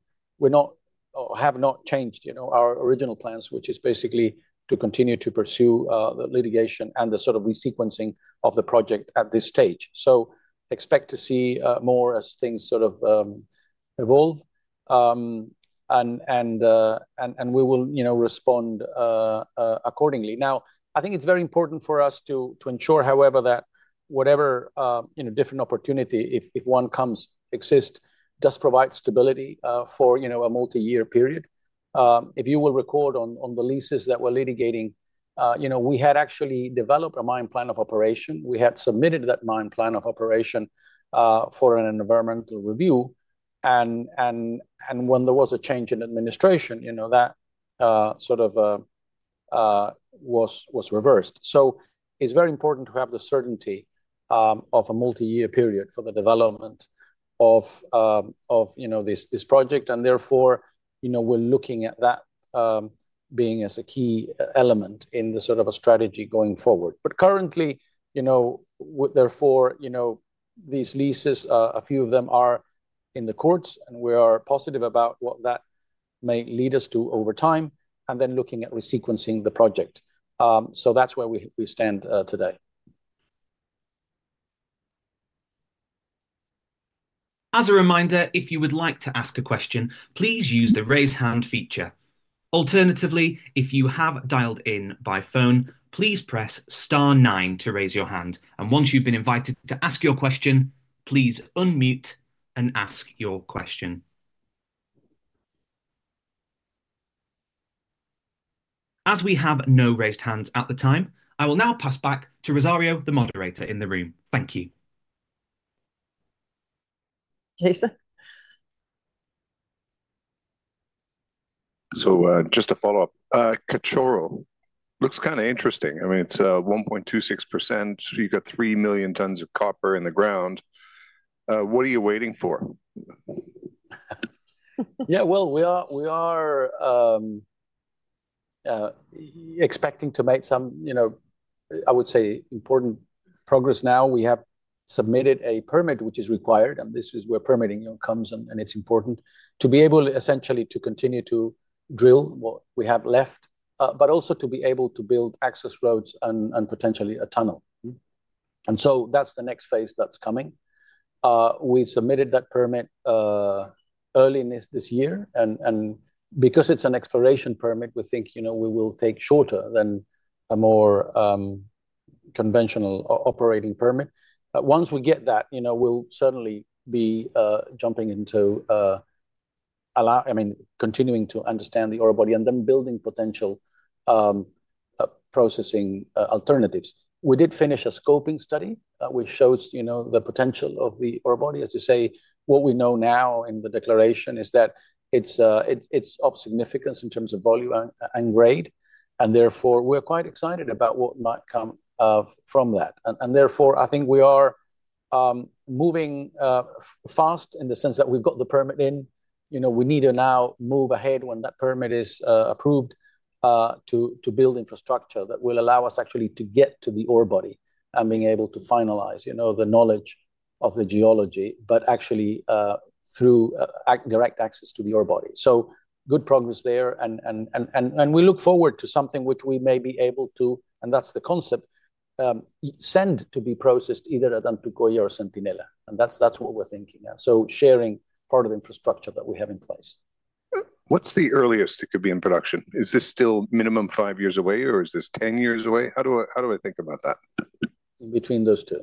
have not changed our original plans, which is basically to continue to pursue the litigation and the sort of re-sequencing of the project at this stage. So expect to see more as things sort of evolve. And we will respond accordingly. Now, I think it's very important for us to ensure, however, that whatever different opportunity, if one comes, exists, does provide stability for a multi-year period. If you will recall on the leases that we're litigating, we had actually developed a mine plan of operation. We had submitted that mine plan of operation for an environmental review. And when there was a change in administration, that sort of was reversed. So it's very important to have the certainty of a multi-year period for the development of this project. And therefore, we're looking at that being as a key element in the sort of strategy going forward. But currently, therefore, these leases, a few of them are in the courts, and we are positive about what that may lead us to over time and then looking at re-sequencing the project. So that's where we stand today. As a reminder, if you would like to ask a question, please use the raise hand feature. Alternatively, if you have dialed in by phone, please press star nine to raise your hand, and once you've been invited to ask your question, please unmute and ask your question. As we have no raised hands at the time, I will now pass back to Rosario, the moderator in the room. Thank you. Jason. Just to follow up, Cachorro looks kind of interesting. I mean, it's 1.26%. You've got 3 million tons of copper in the ground. What are you waiting for? Yeah. Well, we are expecting to make some, I would say, important progress now. We have submitted a permit, which is required. And this is where permitting comes, and it's important to be able essentially to continue to drill what we have left, but also to be able to build access roads and potentially a tunnel. And so that's the next phase that's coming. We submitted that permit early this year. And because it's an exploration permit, we think we will take shorter than a more conventional operating permit. Once we get that, we'll certainly be jumping into, I mean, continuing to understand the ore body and then building potential processing alternatives. We did finish a scoping study which shows the potential of the ore body. As you say, what we know now in the declaration is that it's of significance in terms of volume and grade. And therefore, we're quite excited about what might come from that. And therefore, I think we are moving fast in the sense that we've got the permit in. We need to now move ahead when that permit is approved to build infrastructure that will allow us actually to get to the ore body and being able to finalize the knowledge of the geology, but actually through direct access to the ore body. So good progress there. And we look forward to something which we may be able to, and that's the concept, send to be processed either at Antofagasta or Centinela. And that's what we're thinking. So sharing part of the infrastructure that we have in place. What's the earliest it could be in production? Is this still minimum five years away, or is this 10 years away? How do I think about that? In between those two.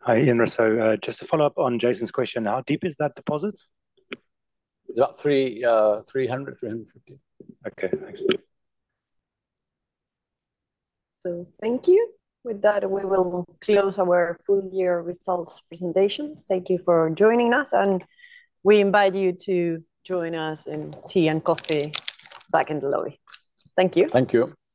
Hi, Ian Rossouw. Just to follow up on Jason's question, how deep is that deposit? It's about 300-350. Okay. Thanks. So thank you. With that, we will close our full-year results presentation. Thank you for joining us. And we invite you to join us in tea and coffee back in the lobby. Thank you. Thank you.